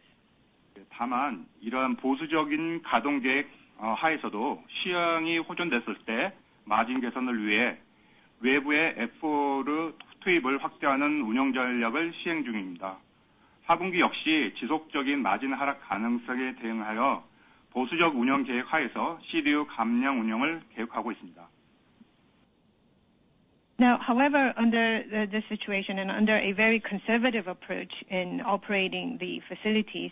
다만 이러한 보수적인 가동 계획 하에서도 시황이 호전됐을 때 마진 개선을 위해 외부의 FOR 투입을 확대하는 운영 전략을 시행 중입니다. 4분기 역시 지속적인 마진 하락 가능성에 대응하여 보수적 운영 계획 하에서 CDU 감량 운영을 계획하고 있습니다. Now, however, under this situation and under a very conservative approach in operating the facilities,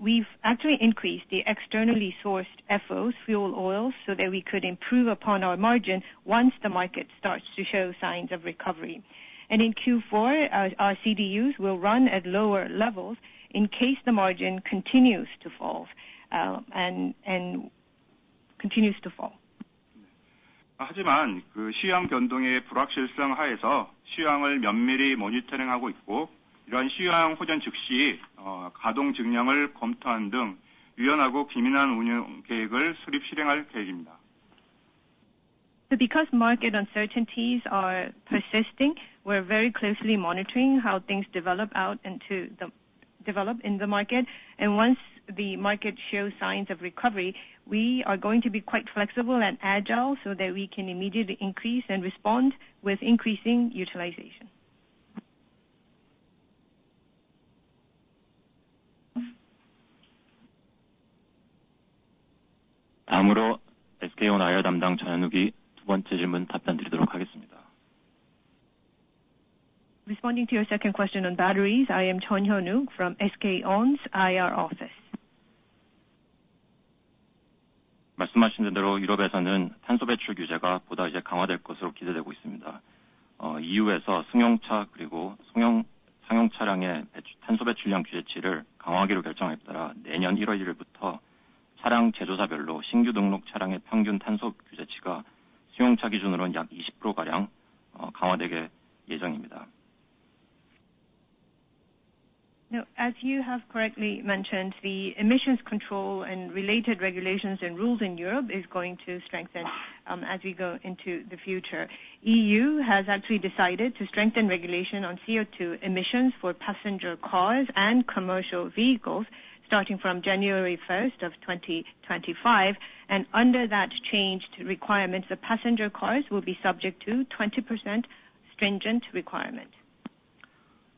we've actually increased the externally sourced FOs, fuel oils, so that we could improve upon our margin once the market starts to show signs of recovery. And in Q4, our CDUs will run at lower levels in case the margin continues to fall and continues to fall. 하지만 시황 변동의 불확실성 하에서 시황을 면밀히 모니터링하고 있고, 이러한 시황 호전 즉시 가동 증량을 검토하는 등 유연하고 기민한 운영 계획을 수립·실행할 계획입니다. Because market uncertainties are persisting, we're very closely monitoring how things develop in the market, and once the market shows signs of recovery, we are going to be quite flexible and agile so that we can immediately increase and respond with increasing utilization. 다음으로 SK온 IR 담당 정현욱이 두 번째 질문 답변드리도록 하겠습니다. Responding to your second question on batteries, I am Jeong Hyun-wook from SK On's IR office. 말씀하신 대로 유럽에서는 탄소 배출 규제가 보다 강화될 것으로 기대되고 있습니다. EU에서 승용차 그리고 상용 차량의 탄소 배출량 규제치를 강화하기로 결정함에 따라 내년 1월 1일부터 차량 제조사별로 신규 등록 차량의 평균 탄소 규제치가 승용차 기준으로는 약 20%가량 강화되게 예정입니다. Now, as you have correctly mentioned, the emissions control and related regulations and rules in Europe are going to strengthen as we go into the future. EU has actually decided to strengthen regulation on CO2 emissions for passenger cars and commercial vehicles starting from January 1st of 2025, and under that changed requirement, the passenger cars will be subject to 20% stringent requirement.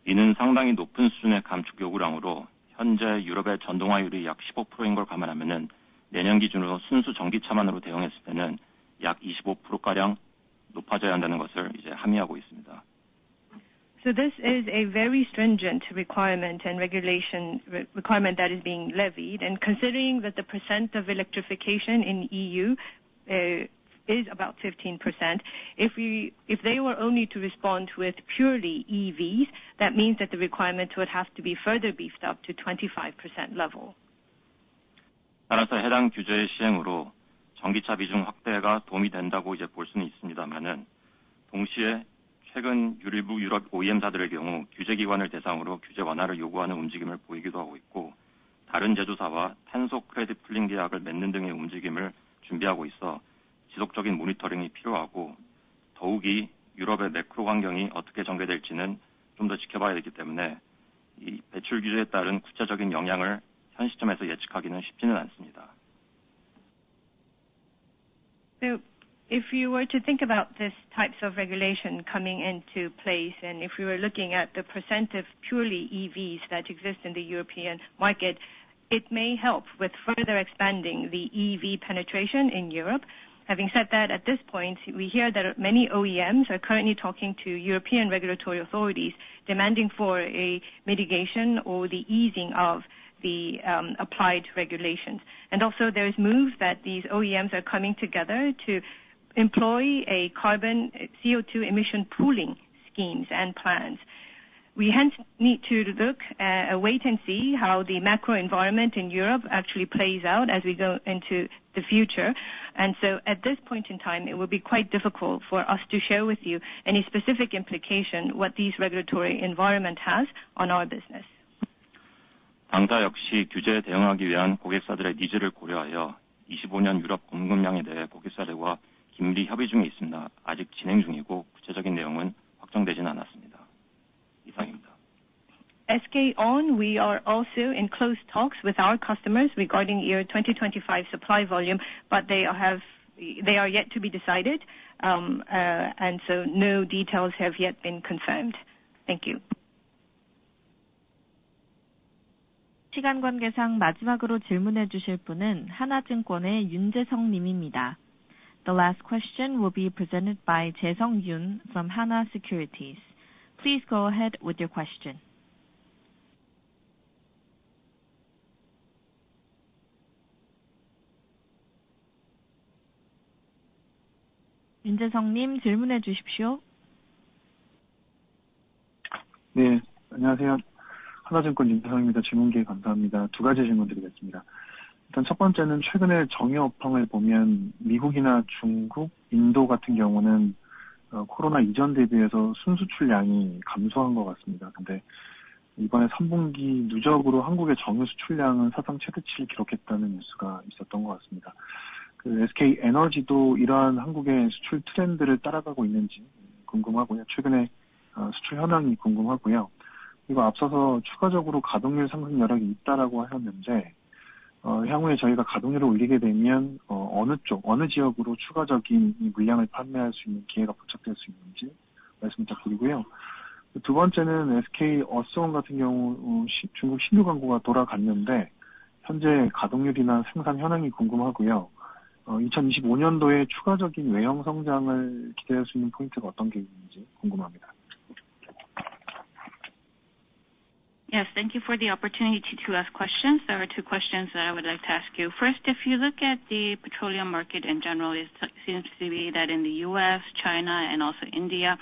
이는 상당히 높은 수준의 감축 요구량으로 현재 유럽의 전동화율이 약 15%인 걸 감안하면 내년 기준으로 순수 전기차만으로 대응했을 때는 약 25%가량 높아져야 한다는 것을 이제 함의하고 있습니다. So this is a very stringent requirement and regulation requirement that is being levied, and considering that the percent of electrification in EU is about 15%, if they were only to respond with purely EVs, that means that the requirement would have to be further beefed up to 25% level. 따라서 해당 규제의 시행으로 전기차 비중 확대가 도움이 된다고 이제 볼 수는 있습니다만, 동시에 최근 유럽 OEM사들의 경우 규제 기관을 대상으로 규제 완화를 요구하는 움직임을 보이기도 하고 있고, 다른 제조사와 탄소 크레딧 풀링 계약을 맺는 등의 움직임을 준비하고 있어 지속적인 모니터링이 필요하고, 더욱이 유럽의 매크로 환경이 어떻게 전개될지는 좀더 지켜봐야 되기 때문에 이 배출 규제에 따른 구체적인 영향을 현 시점에서 예측하기는 쉽지는 않습니다. If you were to think about this type of regulation coming into place and if we were looking at the percent of purely EVs that exist in the European market, it may help with further expanding the EV penetration in Europe. Having said that, at this point, we hear that many OEMs are currently talking to European regulatory authorities demanding for a mitigation or the easing of the applied regulations. And also, there are moves that these OEMs are coming together to employ a carbon CO2 emission pooling schemes and plans. We hence need to wait and see how the macro environment in Europe actually plays out as we go into the future. And so at this point in time, it will be quite difficult for us to share with you any specific implication what these regulatory environment has on our business. 당사 역시 규제에 대응하기 위한 고객사들의 니즈를 고려하여 25년 유럽 공급량에 대해 고객사들과 긴밀히 협의 중에 있습니다. 아직 진행 중이고 구체적인 내용은 확정되지는 않았습니다. 이상입니다. SK On, we are also in close talks with our customers regarding your 2025 supply volume, but they are yet to be decided, and so no details have yet been confirmed. Thank you. 시간 관계상 마지막으로 질문해 주실 분은 하나증권의 윤재성 님입니다. The last question will be presented by Yoon Jae-sung from Hana Securities. Please go ahead with your question. 윤재성 님, 질문해 주십시오. 네, 안녕하세요. 하나증권 윤재성입니다. 질문 기회 감사합니다. 두 가지 질문 드리겠습니다. 일단 첫 번째는 최근에 정유 업황을 보면 미국이나 중국, 인도 같은 경우는 코로나 이전 대비해서 순수출량이 감소한 것 같습니다. 근데 이번에 3분기 누적으로 한국의 정유 수출량은 사상 최대치를 기록했다는 뉴스가 있었던 것 같습니다. SK에너지도 이러한 한국의 수출 트렌드를 따라가고 있는지 궁금하고요. 최근에 수출 현황이 궁금하고요. 그리고 앞서서 추가적으로 가동률 상승 여력이 있다라고 하셨는데, 향후에 저희가 가동률을 올리게 되면 어느 쪽, 어느 지역으로 추가적인 물량을 판매할 수 있는 기회가 포착될 수 있는지 말씀 부탁드리고요. 두 번째는 SK 어스온 같은 경우 중국 신규 광구가 돌아갔는데 현재 가동률이나 생산 현황이 궁금하고요. 2025년도에 추가적인 외형 성장을 기대할 수 있는 포인트가 어떤 게 있는지 궁금합니다. Yes, thank you for the opportunity to ask questions. There are two questions that I would like to ask you. First, if you look at the petroleum market in general, it seems to be that in the U.S., China, and also India,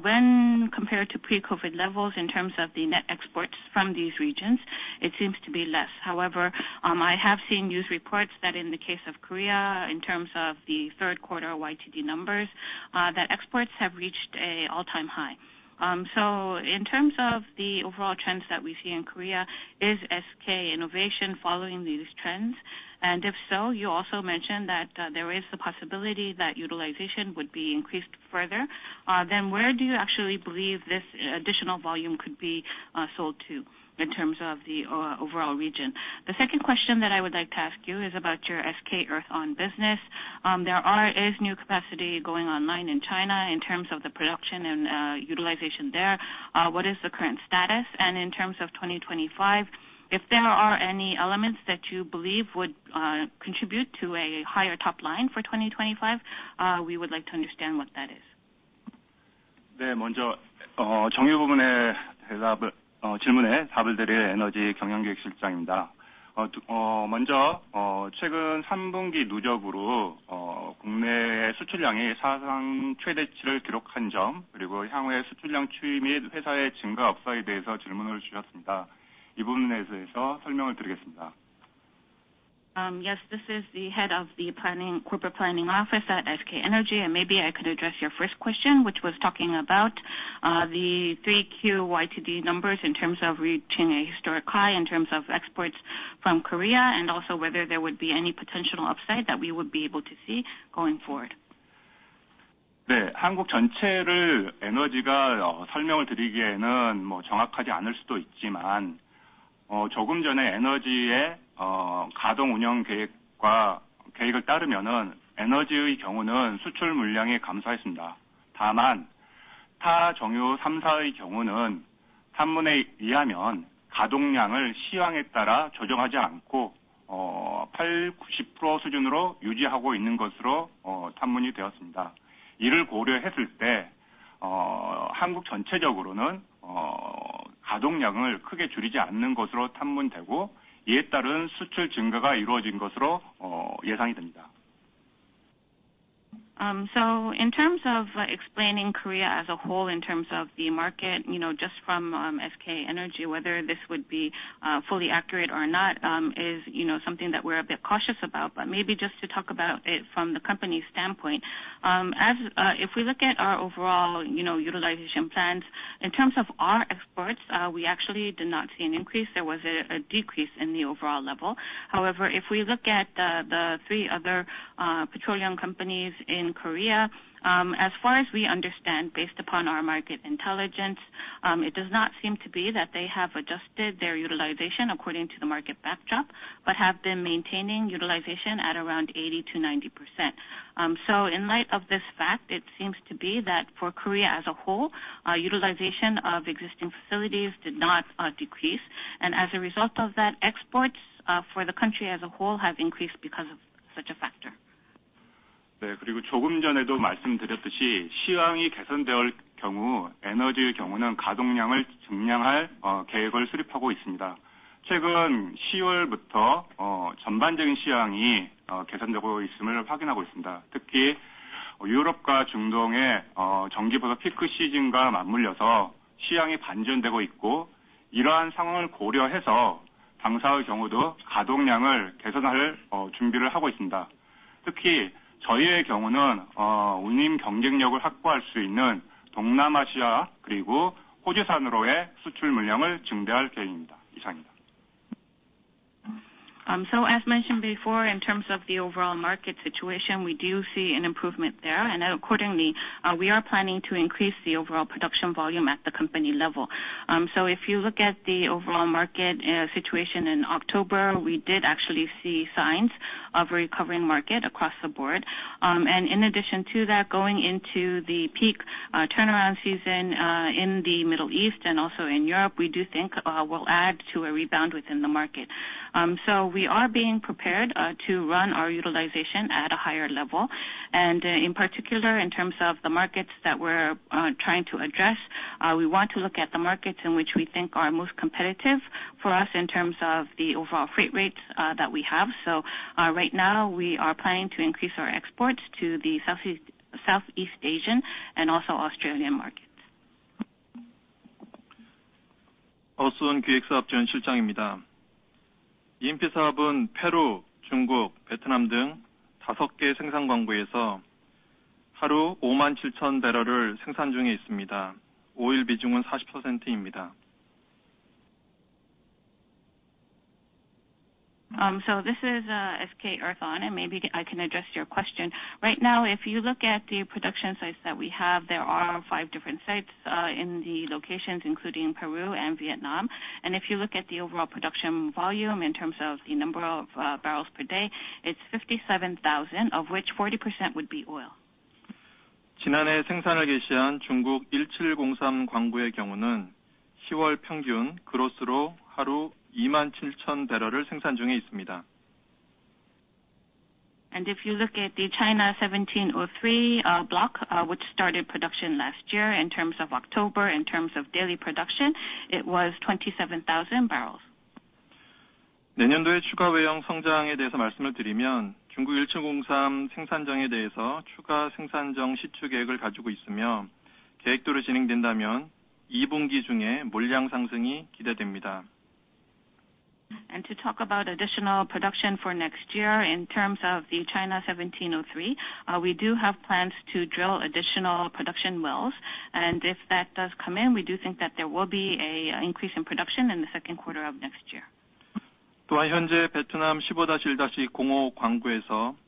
when compared to pre-COVID levels in terms of the net exports from these regions, it seems to be less. However, I have seen news reports that in the case of Korea, in terms of the third quarter YTD numbers, that exports have reached an all-time high. So in terms of the overall trends that we see in Korea, is SK Innovation following these trends? And if so, you also mentioned that there is the possibility that utilization would be increased further. Then where do you actually believe this additional volume could be sold to in terms of the overall region? The second question that I would like to ask you is about your SK Earthon business. There is new capacity going online in China in terms of the production and utilization there. What is the current status? And in terms of 2025, if there are any elements that you believe would contribute to a higher top line for 2025, we would like to understand what that is. 네, 먼저 정유 부문의 질문에 답을 드릴 에너지 경영 계획실장입니다. 먼저 최근 3분기 누적으로 국내 수출량이 사상 최대치를 기록한 점, 그리고 향후에 수출량 추이 및 회사의 증가 업사에 대해서 질문을 주셨습니다. 이 부분에 대해서 설명을 드리겠습니다. Yes, this is the head of the corporate planning office at SK Energy, and maybe I could address your first question, which was talking about the 3Q YTD numbers in terms of reaching a historic high in terms of exports from Korea and also whether there would be any potential upside that we would be able to see going forward. 네, 한국 전체를 에너지가 설명을 드리기에는 정확하지 않을 수도 있지만, 조금 전에 에너지의 가동 운영 계획을 따르면 에너지의 경우는 수출 물량이 감소했습니다. 다만 타 정유 3사의 경우는 탐문에 의하면 가동량을 시황에 따라 조정하지 않고 80%-90% 수준으로 유지하고 있는 것으로 탐문이 되었습니다. 이를 고려했을 때 한국 전체적으로는 가동량을 크게 줄이지 않는 것으로 탐문되고, 이에 따른 수출 증가가 이루어진 것으로 예상됩니다. So in terms of explaining Korea as a whole in terms of the market, you know, just from SK Energy, whether this would be fully accurate or not is something that we're a bit cautious about, but maybe just to talk about it from the company's standpoint. If we look at our overall utilization plans, in terms of our exports, we actually did not see an increase. There was a decrease in the overall level. However, if we look at the three other petroleum companies in Korea, as far as we understand, based upon our market intelligence, it does not seem to be that they have adjusted their utilization according to the market backdrop, but have been maintaining utilization at around 80%-90%. So in light of this fact, it seems to be that for Korea as a whole, utilization of existing facilities did not decrease, and as a result of that, exports for the country as a whole have increased because of such a factor. 네, 그리고 조금 전에도 말씀드렸듯이 시황이 개선될 경우 에너지의 경우는 가동량을 증량할 계획을 수립하고 있습니다. 최근 10월부터 전반적인 시황이 개선되고 있음을 확인하고 있습니다. 특히 유럽과 중동의 전기 보다 피크 시즌과 맞물려서 시황이 반전되고 있고, 이러한 상황을 고려해서 당사의 경우도 가동량을 개선할 준비를 하고 있습니다. 특히 저희의 경우는 운임 경쟁력을 확보할 수 있는 동남아시아 그리고 호주 산으로의 수출 물량을 증대할 계획입니다. 이상입니다. So as mentioned before, in terms of the overall market situation, we do see an improvement there, and accordingly, we are planning to increase the overall production volume at the company level. So if you look at the overall market situation in October, we did actually see signs of a recovering market across the board. And in addition to that, going into the peak turnaround season in the Middle East and also in Europe, we do think will add to a rebound within the market. So we are being prepared to run our utilization at a higher level, and in particular, in terms of the markets that we're trying to address, we want to look at the markets in which we think are most competitive for us in terms of the overall freight rates that we have. So right now, we are planning to increase our exports to the Southeast Asian and also Australian markets. I am the head of the planning department at SK Earthon. The E&P business is producing 57,000 barrels per day from 5 production blocks including Peru, China, Vietnam, etc. The oil proportion is 40%. This is SK Earthon, and maybe I can address your question. Right now, if you look at the production sites that we have, there are five different sites in the locations, including Peru and Vietnam. If you look at the overall production volume in terms of the number of barrels per day, it's 57,000, of which 40% would be oil. 지난해 생산을 개시한 중국 1703 블록의 경우는 10월 평균 그로스로 하루 2만 7천 배럴을 생산 중에 있습니다. If you look at the China 17/03 block, which started production last year in terms of October, in terms of daily production, it was 27,000 barrels. 내년도에 추가 외형 성장에 대해서 말씀을 드리면, 중국 1703 생산장에 대해서 추가 생산정 시추 계획을 가지고 있으며, 계획대로 진행된다면 2분기 중에 물량 상승이 기대됩니다. To talk about additional production for next year, in terms of the China 17/03, we do have plans to drill additional production wells, and if that does come in, we do think that there will be an increase in production in the second quarter of next year. 또한 현재 베트남 Vietnam 15-1/05 광구에서.